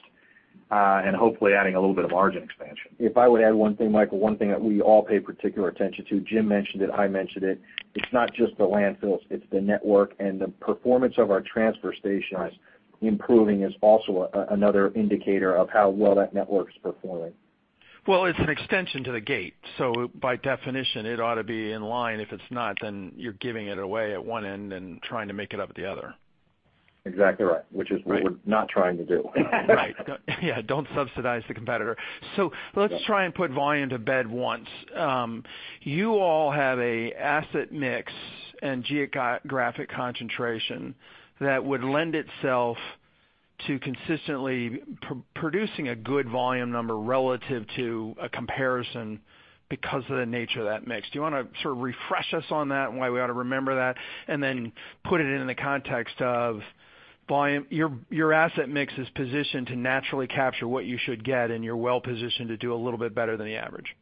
hopefully adding a little bit of margin expansion. If I would add one thing, Michael, one thing that we all pay particular attention to, Jim mentioned it, I mentioned it's not just the landfills, it's the network. The performance of our transfer stations- Right improving is also another indicator of how well that network's performing. Well, it's an extension to the gate, so by definition, it ought to be in line. If it's not, then you're giving it away at one end and trying to make it up at the other. Exactly right, which is what we're not trying to do. Right. Yeah, don't subsidize the competitor. Let's try and put volume to bed once. You all have an asset mix and geographic concentration that would lend itself to consistently producing a good volume number relative to a comparison because of the nature of that mix. Do you want to refresh us on that and why we ought to remember that? Put it in the context of your asset mix is positioned to naturally capture what you should get, and you're well-positioned to do a little bit better than the average.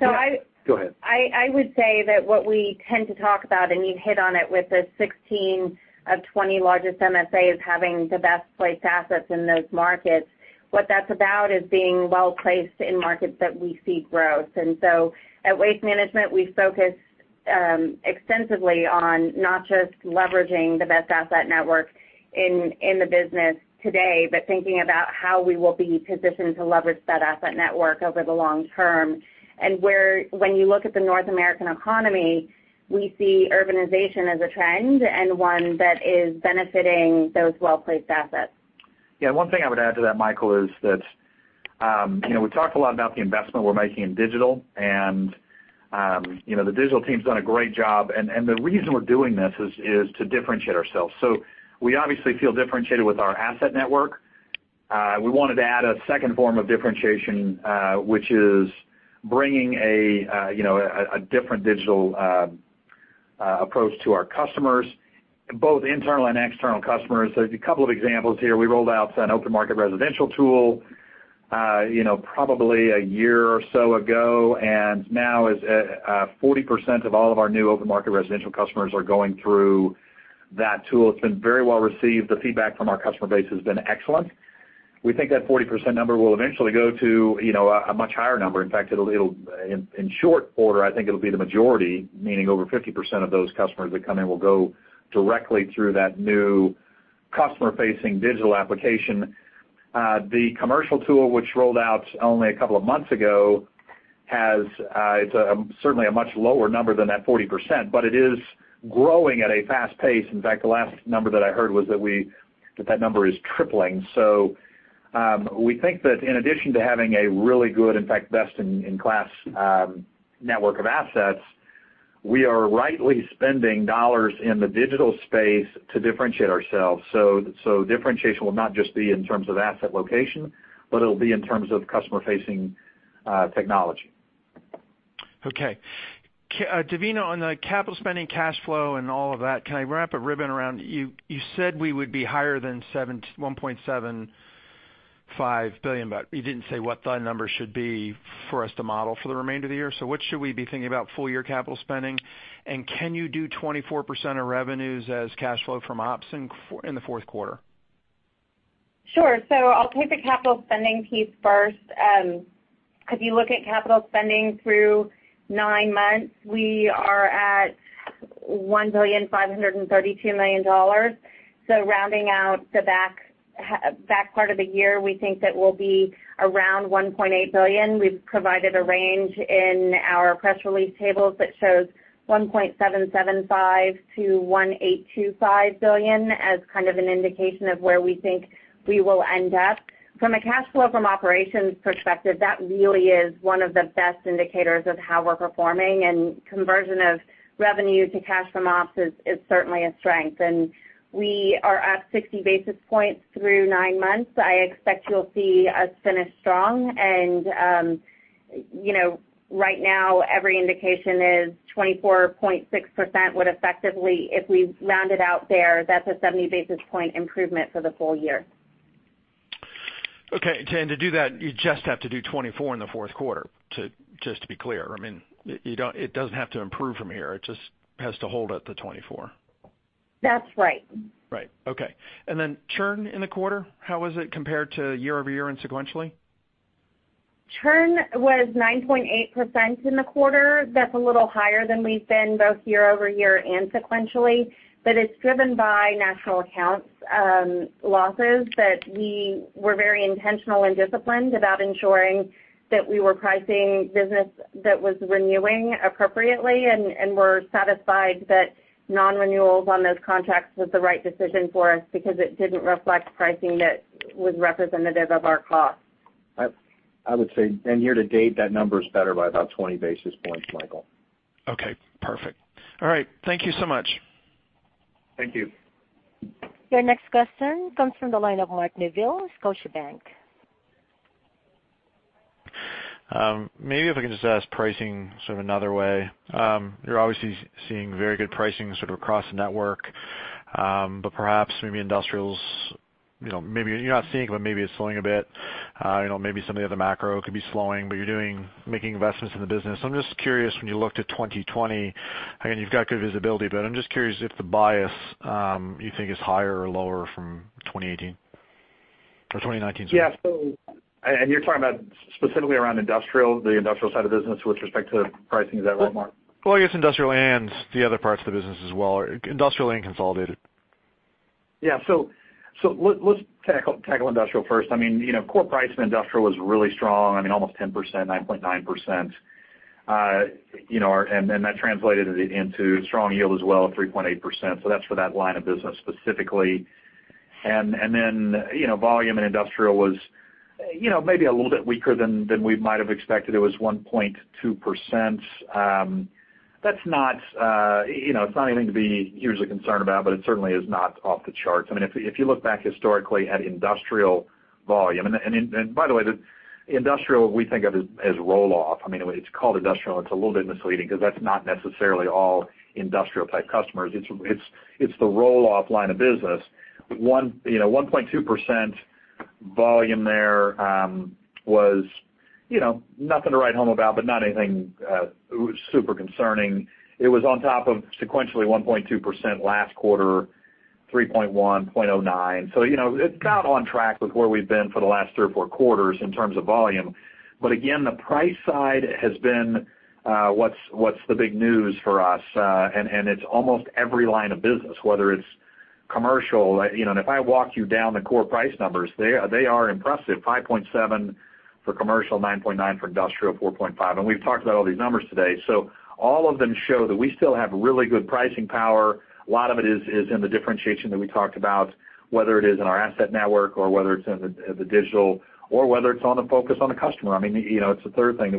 So I- Go ahead. I would say that what we tend to talk about, you've hit on it with the 16 of 20 largest MSAs having the best-placed assets in those markets, what that's about is being well-placed in markets that we see growth. At Waste Management, we focus extensively on not just leveraging the best asset network in the business today, but thinking about how we will be positioned to leverage that asset network over the long term. When you look at the North American economy, we see urbanization as a trend, and one that is benefiting those well-placed assets. One thing I would add to that, Michael, is that we talked a lot about the investment we're making in digital, and the digital team's done a great job. The reason we're doing this is to differentiate ourselves. We obviously feel differentiated with our asset network. We wanted to add a second form of differentiation, which is bringing a different digital approach to our customers, both internal and external customers. A couple of examples here. We rolled out an open market residential tool probably a year or so ago. Now 40% of all of our new open market residential customers are going through that tool. It's been very well-received. The feedback from our customer base has been excellent. We think that 40% number will eventually go to a much higher number. In fact, in short order, I think it'll be the majority, meaning over 50% of those customers that come in will go directly through that new customer-facing digital application. The commercial tool, which rolled out only a couple of months ago, it's certainly a much lower number than that 40%, but it is growing at a fast pace. In fact, the last number that I heard was that that number is tripling. We think that in addition to having a really good, in fact, best-in-class network of assets, we are rightly spending dollars in the digital space to differentiate ourselves. Differentiation will not just be in terms of asset location, but it'll be in terms of customer-facing technology. Okay. Devina, on the capital spending cash flow and all of that, can I wrap a ribbon around You said we would be higher than $1.75 billion, but you didn't say what the number should be for us to model for the remainder of the year. What should we be thinking about full-year capital spending? Can you do 24% of revenues as cash flow from ops in the fourth quarter? I'll take the capital spending piece first. If you look at capital spending through nine months, we are at $1.532 billion. Rounding out the back part of the year, we think that we'll be around $1.8 billion. We've provided a range in our press release tables that shows $1.775 billion-$1.825 billion as kind of an indication of where we think we will end up. From a cash flow from operations perspective, that really is one of the best indicators of how we're performing, and conversion of revenue to cash from ops is certainly a strength. We are up 60 basis points through nine months. I expect you'll see us finish strong. Right now every indication is 24.6% would effectively, if we round it out there, that's a 70 basis point improvement for the full year. Okay. To do that, you just have to do 24 in the fourth quarter, just to be clear. It doesn't have to improve from here. It just has to hold at the 24. That's right. Right. Okay. Churn in the quarter, how was it compared to year-over-year and sequentially? Churn was 9.8% in the quarter. That's a little higher than we've been both year-over-year and sequentially, but it's driven by national accounts losses that we were very intentional and disciplined about ensuring that we were pricing business that was renewing appropriately, and we're satisfied that non-renewals on those contracts was the right decision for us because it didn't reflect pricing that was representative of our costs. I would say, year to date, that number is better by about 20 basis points, Michael. Okay, perfect. All right. Thank you so much. Thank you. Your next question comes from the line of Mark Neville, Scotiabank. Maybe if I can just ask pricing sort of another way. You're obviously seeing very good pricing sort of across the network. Perhaps maybe industrials, maybe you're not seeing it, but maybe it's slowing a bit. Maybe some of the other macro could be slowing, but you're making investments in the business. I'm just curious, when you look to 2020, again, you've got good visibility, but I'm just curious if the bias you think is higher or lower from 2018 or 2019. Yeah. You're talking about specifically around industrial, the industrial side of the business with respect to pricing, is that right, Mark? Well, I guess industrial and the other parts of the business as well. Industrial and consolidated. Yeah. Let's tackle industrial first. Core price in industrial was really strong, almost 10%, 9.9%. That translated into strong yield as well at 3.8%. That's for that line of business specifically. Volume in industrial was maybe a little bit weaker than we might have expected. It was 1.2%. It's not anything to be hugely concerned about, but it certainly is not off the charts. If you look back historically at industrial volume, and by the way, industrial we think of as roll-off. It's called industrial, and it's a little bit misleading because that's not necessarily all industrial type customers. It's the roll-off line of business. 1.2% volume there was nothing to write home about, but not anything super concerning. It was on top of sequentially 1.2% last quarter, 3.1%, 0.9%. It's about on track with where we've been for the last three or four quarters in terms of volume. Again, the price side has been what's the big news for us. It's almost every line of business, whether it's commercial. If I walk you down the core price numbers, they are impressive, 5.7% for commercial, 9.9% for industrial, 4.5%. We've talked about all these numbers today. All of them show that we still have really good pricing power. A lot of it is in the differentiation that we talked about, whether it is in our asset network or whether it's in the digital or whether it's on the focus on the customer. It's the third thing that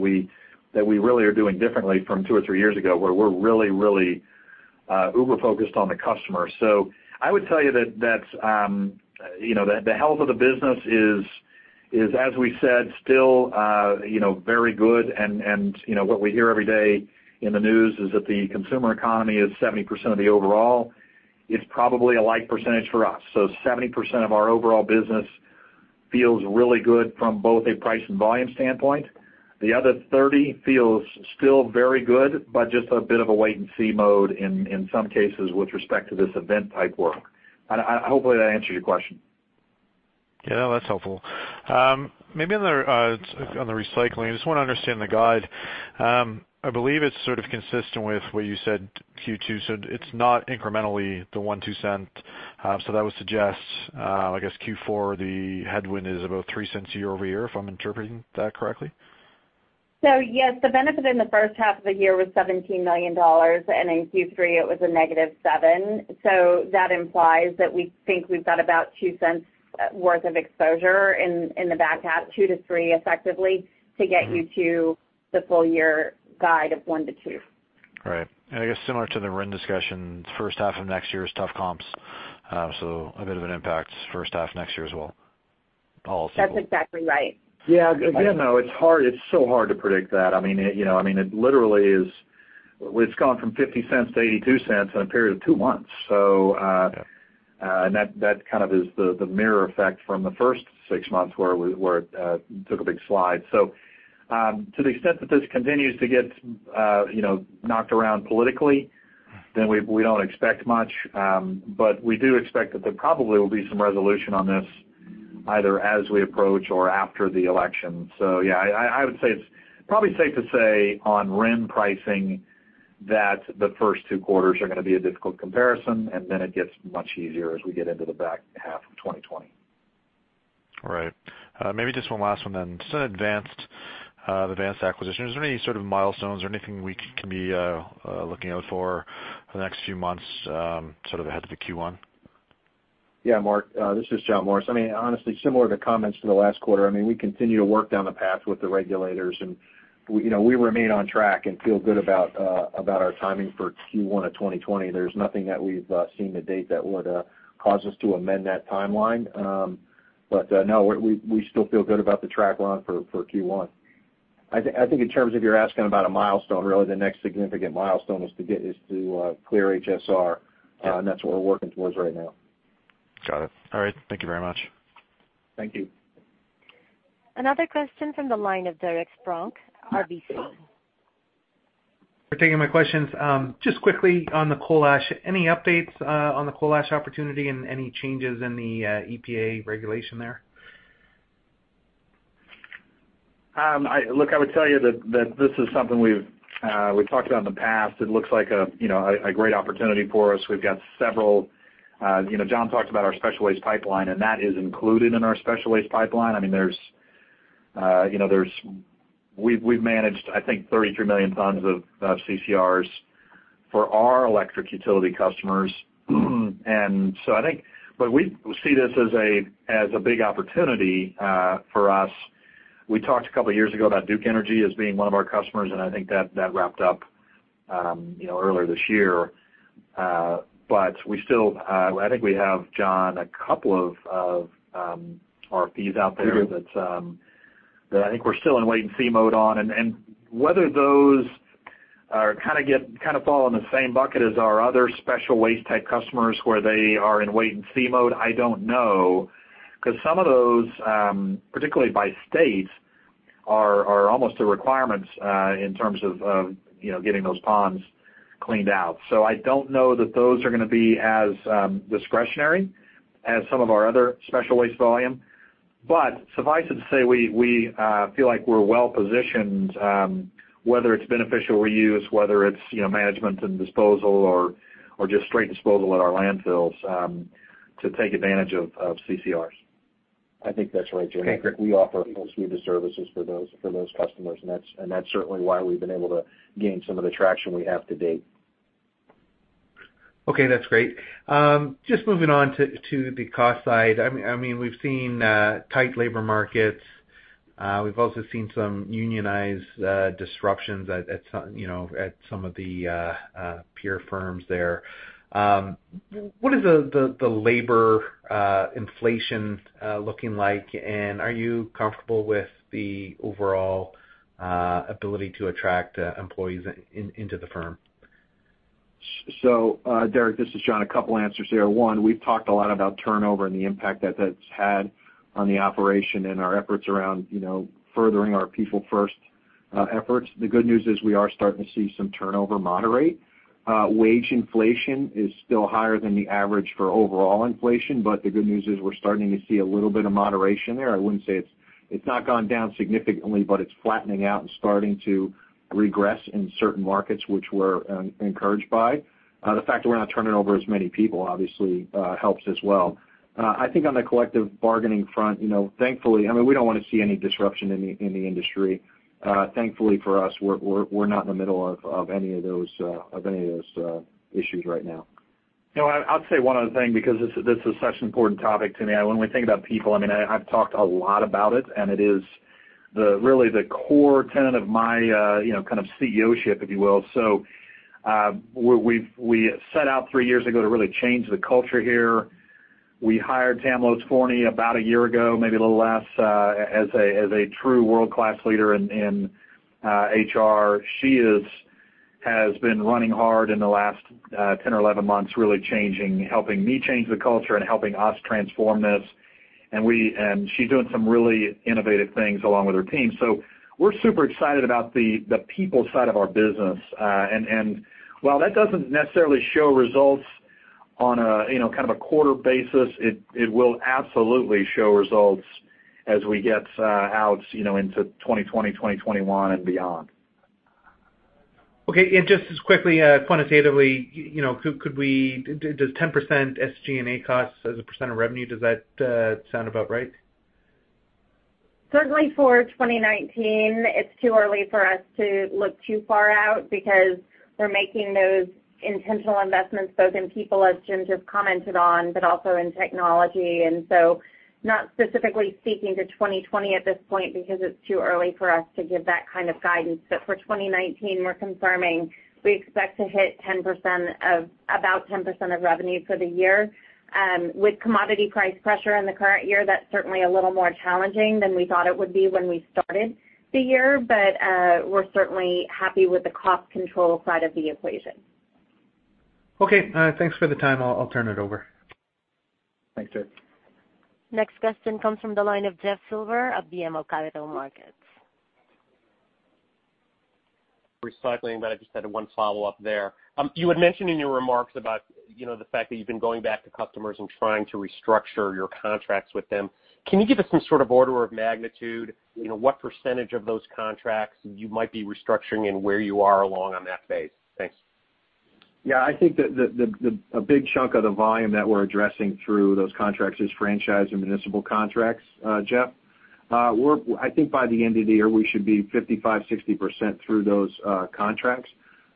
we really are doing differently from two or three years ago, where we're really uber-focused on the customer. I would tell you that the health of the business is, as we said, still very good, and what we hear every day in the news is that the consumer economy is 70% of the overall. It's probably a like percentage for us. 70% of our overall business feels really good from both a price and volume standpoint. The other 30 feels still very good, but just a bit of a wait and see mode in some cases with respect to this event type work. Hopefully, that answers your question. Yeah, that's helpful. Maybe on the recycling, I just want to understand the guide. I believe it's sort of consistent with what you said Q2, so it's not incrementally the $0.01-$0.02. That would suggest, I guess Q4, the headwind is about $0.03 year-over-year, if I'm interpreting that correctly? Yes, the benefit in the first half of the year was $17 million, and in Q3, it was a negative $7 million. That implies that we think we've got about $0.02 worth of exposure in the back half, $0.02 to $0.03 effectively, to get you to the full year guide of $0.01 to $0.02. Right. I guess similar to the RIN discussion, first half of next year is tough comps. A bit of an impact first half next year as well. That's exactly right. Again, though, it's so hard to predict that. It literally has gone from $0.50 to $0.82 in a period of two months. That kind of is the mirror effect from the first six months where it took a big slide. To the extent that this continues to get knocked around politically, then we don't expect much. We do expect that there probably will be some resolution on this, either as we approach or after the election. I would say it's probably safe to say on RIN pricing that the first two quarters are going to be a difficult comparison, and then it gets much easier as we get into the back half of 2020. All right. Maybe just one last one then. The ADS acquisition, is there any sort of milestones or anything we can be looking out for the next few months, ahead to the Q1? Yeah, Mark, this is John Morris. Honestly, similar to comments from the last quarter, we continue to work down the path with the regulators, and we remain on track and feel good about our timing for Q1 of 2020. There's nothing that we've seen to date that would cause us to amend that timeline. No, we still feel good about the track run for Q1. I think in terms of you're asking about a milestone, really the next significant milestone is to clear HSR, and that's what we're working towards right now. Got it. All right. Thank you very much. Thank you. Another question from the line of Derek Spronk, RBC. For taking my questions. Quickly on the coal ash. Any updates on the coal ash opportunity and any changes in the EPA regulation there? Look, I would tell you that this is something we've talked about in the past. It looks like a great opportunity for us. We've got several John talked about our special waste pipeline, and that is included in our special waste pipeline. We've managed, I think, 33 million tons of CCRs for our electric utility customers. We see this as a big opportunity for us. We talked a couple of years ago about Duke Energy as being one of our customers, and I think that wrapped up earlier this year. I think we have, John, a couple of RFPs out there. We do. that I think we're still in wait-and-see mode on, and whether those kind of fall in the same bucket as our other special waste type customers, where they are in wait-and-see mode, I don't know, because some of those, particularly by states, are almost a requirement in terms of getting those ponds cleaned out. I don't know that those are going to be as discretionary as some of our other special waste volume. Suffice it to say, we feel like we're well positioned, whether it's beneficial reuse, whether it's management and disposal or just straight disposal at our landfills, to take advantage of CCRs. I think that's right, Jim. Okay, great. We offer a whole suite of services for those customers, and that's certainly why we've been able to gain some of the traction we have to date. Okay, that's great. Just moving on to the cost side. We've seen tight labor markets. We've also seen some unionized disruptions at some of the peer firms there. What is the labor inflation looking like, and are you comfortable with the overall ability to attract employees into the firm? Derek, this is John. A couple answers there. One, we've talked a lot about turnover and the impact that that's had on the operation and our efforts around furthering our People First efforts. The good news is we are starting to see some turnover moderate. Wage inflation is still higher than the average for overall inflation, the good news is we're starting to see a little bit of moderation there. I wouldn't say it's not gone down significantly, it's flattening out and starting to regress in certain markets, which we're encouraged by. The fact that we're not turning over as many people obviously helps as well. I think on the collective bargaining front, I mean, we don't want to see any disruption in the industry. Thankfully for us, we're not in the middle of any of those issues right now. I'll say one other thing because this is such an important topic to me. When we think about people, I've talked a lot about it, and it is really the core tenet of my kind of CEO-ship, if you will. We set out three years ago to really change the culture here. We hired Tamla Oates-Forney about a year ago, maybe a little less, as a true world-class leader in HR. She has been running hard in the last 10 or 11 months, really helping me change the culture and helping us transform this. She's doing some really innovative things along with her team. We're super excited about the people side of our business. While that doesn't necessarily show results on a kind of a quarter basis, it will absolutely show results as we get out into 2020, 2021 and beyond. Okay. Just as quickly, quantitatively, does 10% SG&A cost as a % of revenue, does that sound about right? Certainly for 2019. It's too early for us to look too far out because we're making those intentional investments, both in People, as Jim just commented on, but also in technology. Not specifically speaking to 2020 at this point because it's too early for us to give that kind of guidance. For 2019, we're confirming, we expect to hit about 10% of revenue for the year. With commodity price pressure in the current year, that's certainly a little more challenging than we thought it would be when we started the year. We're certainly happy with the cost control side of the equation. Okay. Thanks for the time. I'll turn it over. Thanks, Jay. Next question comes from the line of Jeff Silber of BMO Capital Markets. Recycling. I just had one follow-up there. You had mentioned in your remarks about the fact that you've been going back to customers and trying to restructure your contracts with them. Can you give us some sort of order of magnitude, what % of those contracts you might be restructuring and where you are along on that phase? Thanks. Yeah, I think that a big chunk of the volume that we're addressing through those contracts is franchise and municipal contracts, Jeff. I think by the end of the year, we should be 55%-60% through those contracts.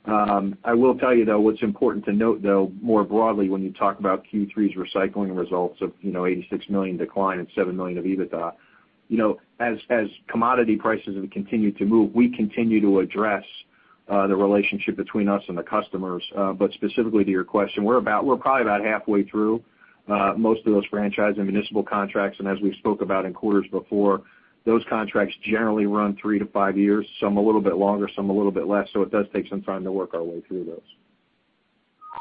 I will tell you, though, what's important to note, though, more broadly, when you talk about Q3's recycling results of $86 million decline and $7 million of EBITDA. As commodity prices have continued to move, we continue to address the relationship between us and the customers. Specifically to your question, we're probably about halfway through most of those franchise and municipal contracts, and as we've spoke about in quarters before, those contracts generally run 3-5 years, some a little bit longer, some a little bit less, so it does take some time to work our way through those.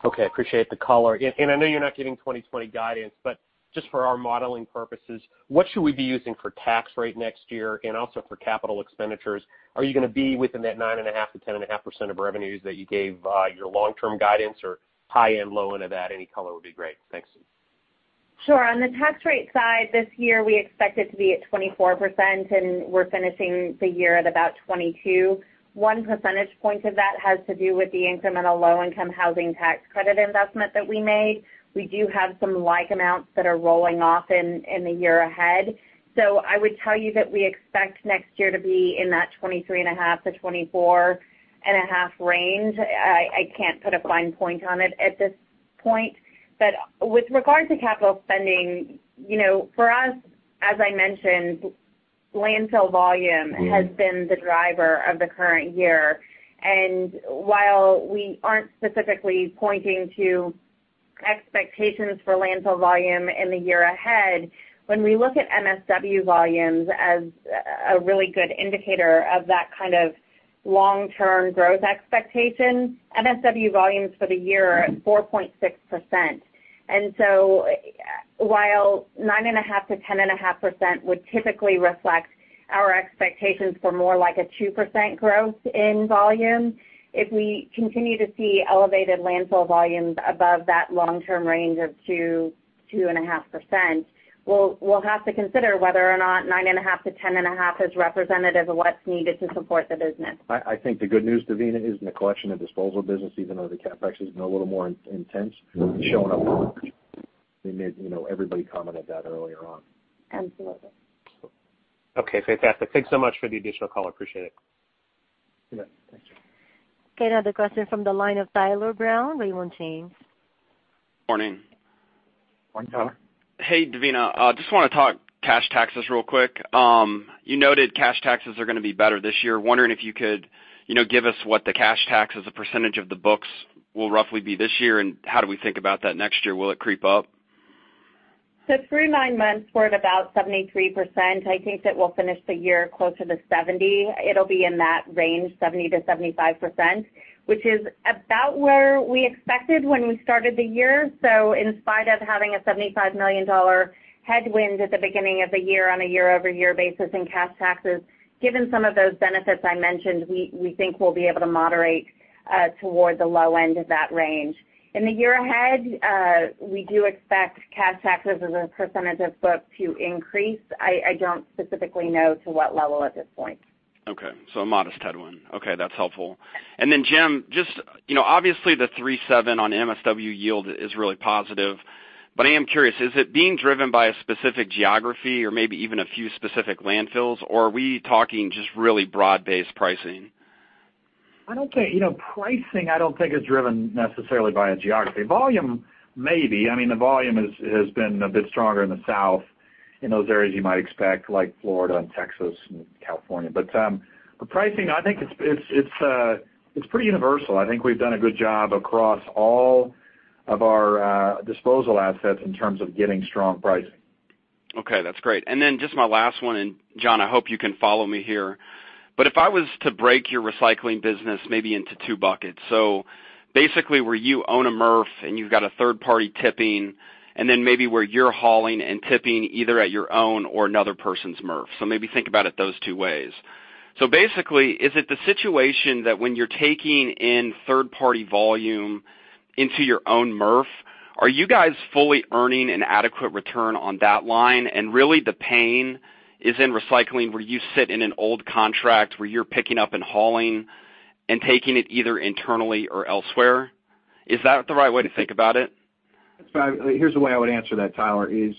Okay, appreciate the color. I know you're not giving 2020 guidance, but just for our modeling purposes, what should we be using for tax rate next year and also for capital expenditures? Are you going to be within that 9.5%-10.5% of revenues that you gave your long-term guidance or high and low end of that? Any color would be great. Thanks. Sure. On the tax rate side, this year, we expect it to be at 24%, and we're finishing the year at about 22. One percentage point of that has to do with the incremental low-income housing tax credit investment that we made. We do have some like amounts that are rolling off in the year ahead. I would tell you that we expect next year to be in that 23.5%-24.5% range. I can't put a fine point on it at this point. With regard to capital spending, for us, as I mentioned, landfill volume has been the driver of the current year. While we aren't specifically pointing to expectations for landfill volume in the year ahead, when we look at MSW volumes as a really good indicator of that kind of long-term growth expectation, MSW volumes for the year are at 4.6%. While 9.5%-10.5% would typically reflect our expectations for more like a 2% growth in volume, if we continue to see elevated landfill volumes above that long-term range of 2%-2.5%, we'll have to consider whether or not 9.5%-10.5% is representative of what's needed to support the business. I think the good news, Devina, is in the collection and disposal business, even though the CapEx has been a little more intense, showing up everybody commented that earlier on. Absolutely. Okay, fantastic. Thanks so much for the additional color. Appreciate it. Yeah, thanks. Okay, another question from the line of Tyler Brown, Raymond James. Morning. Morning, Tyler. Hey, Devina. Just want to talk cash taxes real quick. You noted cash taxes are going to be better this year. Wondering if you could give us what the cash tax as a % of the books will roughly be this year, and how do we think about that next year? Will it creep up? Three months, we're at about 73%. I think that we'll finish the year closer to 70%. It'll be in that range, 70%-75%, which is about where we expected when we started the year. In spite of having a $75 million headwind at the beginning of the year on a year-over-year basis in cash taxes, given some of those benefits I mentioned, we think we'll be able to moderate toward the low end of that range. In the year ahead, we do expect cash taxes as a percentage of book to increase. I don't specifically know to what level at this point. Okay, a modest headwind. Okay, that's helpful. Then Jim, obviously, the three seven on MSW yield is really positive, but I am curious, is it being driven by a specific geography or maybe even a few specific landfills, or are we talking just really broad-based pricing? Pricing, I don't think is driven necessarily by a geography. Volume, maybe. The volume has been a bit stronger in the south in those areas you might expect, like Florida and Texas and California. Pricing, I think it's pretty universal. I think we've done a good job across all of our disposal assets in terms of getting strong pricing. Okay, that's great. Then just my last one, and John, I hope you can follow me here. If I was to break your recycling business maybe into two buckets, so basically where you own a MRF and you've got a third party tipping, and then maybe where you're hauling and tipping either at your own or another person's MRF. Maybe think about it those two ways. Basically, is it the situation that when you're taking in third-party volume into your own MRF, are you guys fully earning an adequate return on that line? Really the pain is in recycling, where you sit in an old contract where you're picking up and hauling and taking it either internally or elsewhere. Is that the right way to think about it? Here's the way I would answer that, Tyler, is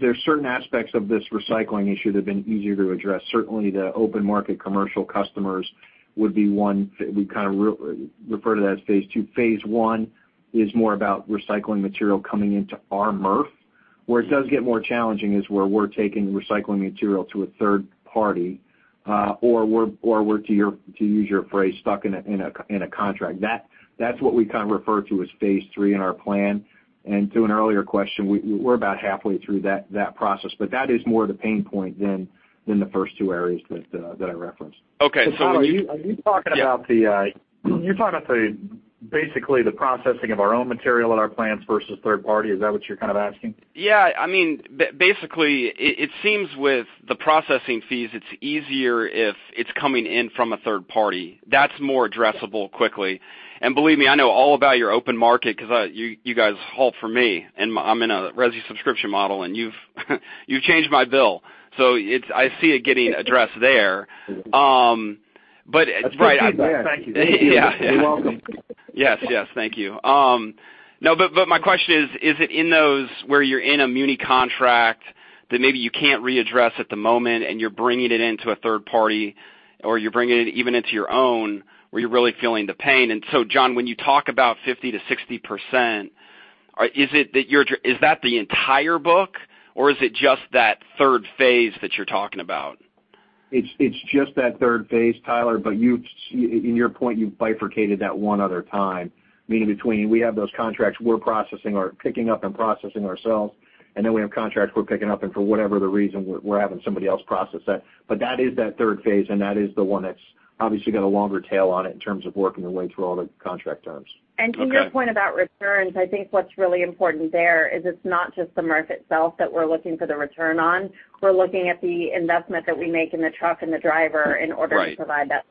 there certain aspects of this recycling issue that have been easier to address? Certainly, the open market commercial customers would be one. We refer to that as phase 2. Phase 1 is more about recycling material coming into our MRF. Where it does get more challenging is where we're taking recycling material to a third party, or we're, to use your phrase, stuck in a contract. That's what we refer to as phase 3 in our plan, and to an earlier question, we're about halfway through that process, but that is more the pain point than the first two areas that I referenced. Okay. Tyler, are you talking about the? Basically, the processing of our own material at our plants versus third party. Is that what you're kind of asking? Basically, it seems with the processing fees, it's easier if it's coming in from a third party. That's more addressable quickly. Believe me, I know all about your open market because you guys haul for me, and I'm in a resi subscription model, and you've changed my bill. I see it getting addressed there. That's great feedback. Thank you. Yeah. You're welcome. Yes. Thank you. My question is it in those where you're in a muni contract that maybe you can't readdress at the moment, and you're bringing it into a third party, or you're bringing it even into your own, where you're really feeling the pain. John, when you talk about 50%-60%, is that the entire book, or is it just that third phase that you're talking about? It's just that third phase, Tyler. In your point, you've bifurcated that one other time. Meaning between we have those contracts we're processing or picking up and processing ourselves, and then we have contracts we're picking up and for whatever the reason, we're having somebody else process that. That is that third phase, and that is the one that's obviously got a longer tail on it in terms of working their way through all the contract terms. Okay. To your point about returns, I think what's really important there is it's not just the MRF itself that we're looking for the return on. We're looking at the investment that we make in the truck and the driver. Right to provide that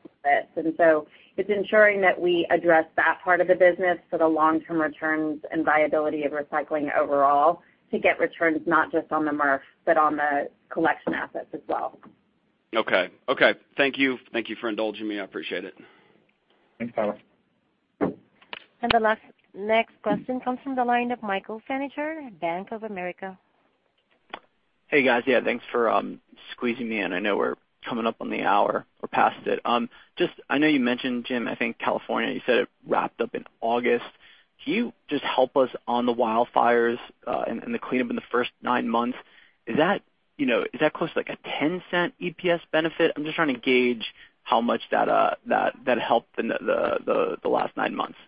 service. It's ensuring that we address that part of the business for the long-term returns and viability of recycling overall to get returns not just on the MRF, but on the collection assets as well. Okay. Thank you for indulging me. I appreciate it. Thanks, Tyler. The next question comes from the line of Michael Snitzer, Bank of America. Hey, guys. Thanks for squeezing me in. I know we're coming up on the hour or past it. I know you mentioned, Jim, I think California, you said it wrapped up in August. Can you just help us on the wildfires and the cleanup in the first nine months? Is that close to a $0.10 EPS benefit? I'm just trying to gauge how much that helped in the last nine months.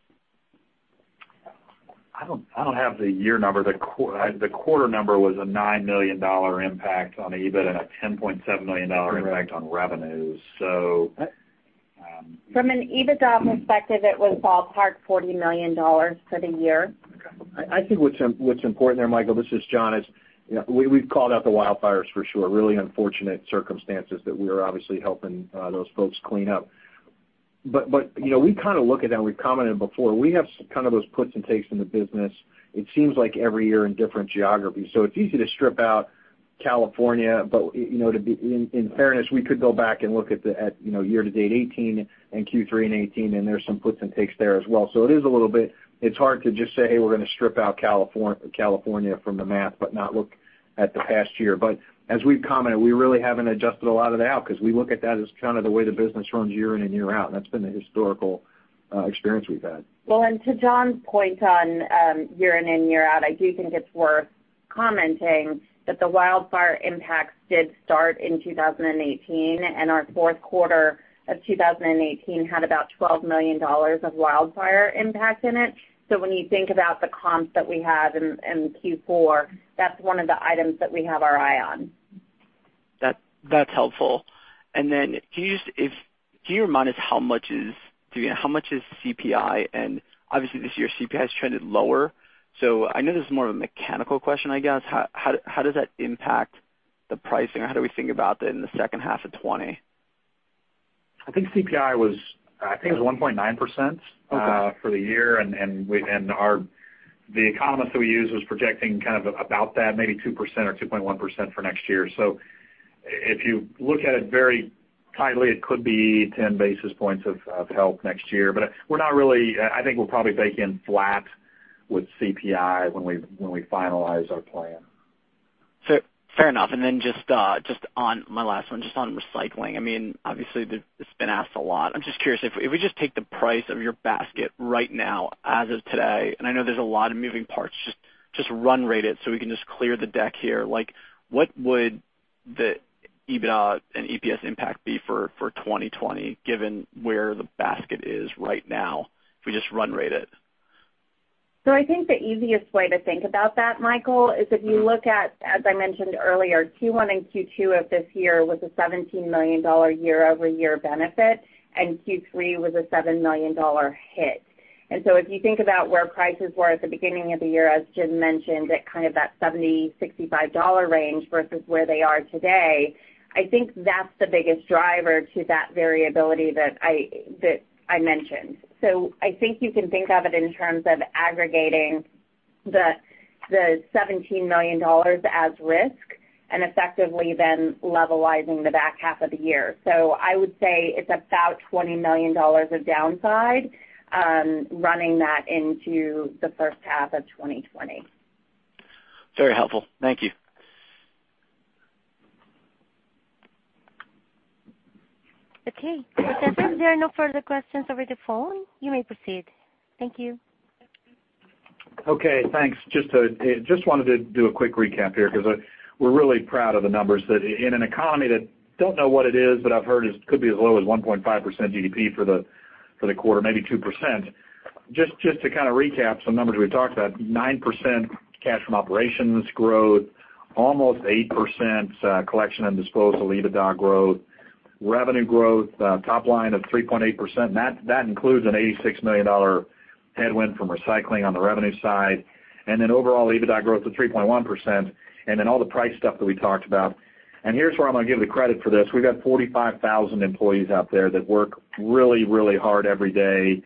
I don't have the year number. The quarter number was a $9 million impact on EBIT and a $10.7 million impact on revenues. From an EBITDA perspective, it was ballpark $40 million for the year. Okay. I think what's important there, Michael, this is John, is we've called out the wildfires for sure, really unfortunate circumstances that we are obviously helping those folks clean up. We kind of look at that, and we've commented before, we have kind of those puts and takes in the business, it seems like every year in different geographies. It's easy to strip out California, but in fairness, we could go back and look at year to date 2018 and Q3 in 2018, and there's some puts and takes there as well. It's a little bit hard to just say, "We're going to strip out California from the math but not look at the past year." As we've commented, we really haven't adjusted a lot of that out because we look at that as kind of the way the business runs year in and year out, and that's been the historical experience we've had. Well, to John's point on year in and year out, I do think it's worth commenting that the wildfire impacts did start in 2018, and our fourth quarter of 2018 had about $12 million of wildfire impact in it. When you think about the comps that we have in Q4, that's one of the items that we have our eye on. That's helpful. Can you just remind us how much is CPI? This year CPI has trended lower. This is more of a mechanical question, I guess. How does that impact the pricing, or how do we think about that in the second half of 2020? I think CPI was 1.9%. Okay for the year, the economist that we use was projecting kind of about that, maybe 2% or 2.1% for next year. If you look at it very tightly, it could be 10 basis points of help next year. I think we'll probably bake in flat with CPI when we finalize our plan. Fair enough. Then just on my last one, just on recycling. Obviously, it's been asked a lot. I'm just curious, if we just take the price of your basket right now as of today, and I know there's a lot of moving parts, just run rate it so we can just clear the deck here. What would the EBITDA and EPS impact be for 2020 given where the basket is right now, if we just run rate it? I think the easiest way to think about that, Michael, is if you look at, as I mentioned earlier, Q1 and Q2 of this year was a $17 million year-over-year benefit, and Q3 was a $7 million hit. If you think about where prices were at the beginning of the year, as Jim mentioned, at kind of that $70, $65 range versus where they are today, I think that's the biggest driver to that variability that I mentioned. I think you can think of it in terms of aggregating the $17 million as risk and effectively then levelizing the back half of the year. I would say it's about $20 million of downside running that into the first half of 2020. Very helpful. Thank you. Okay. Participants, there are no further questions over the phone. You may proceed. Thank you. Okay, thanks. Just wanted to do a quick recap here because we're really proud of the numbers that in an economy that don't know what it is, but I've heard it could be as low as 1.5% GDP for the quarter, maybe 2%. Just to kind of recap some numbers we've talked about, 9% cash from operations growth, almost 8% collection and disposal EBITDA growth, revenue growth top line of 3.8%, and that includes an $86 million headwind from recycling on the revenue side. Overall EBITDA growth of 3.1%, and then all the price stuff that we talked about. Here's where I'm going to give the credit for this. We've got 45,000 employees out there that work really, really hard every day.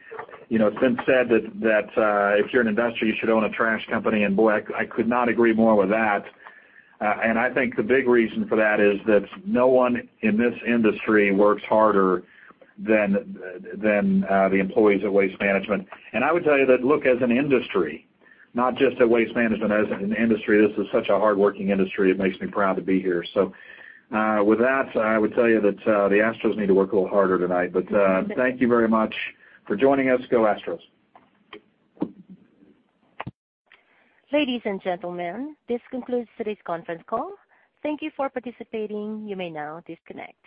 It's been said that if you're an investor, you should own a trash company, and boy, I could not agree more with that. I think the big reason for that is that no one in this industry works harder than the employees at Waste Management. I would tell you that, look, as an industry, not just at Waste Management, as an industry, this is such a hardworking industry. It makes me proud to be here. With that, I would tell you that the Astros need to work a little harder tonight. Thank you very much for joining us. Go Astros. Ladies and gentlemen, this concludes today's conference call. Thank you for participating. You may now disconnect.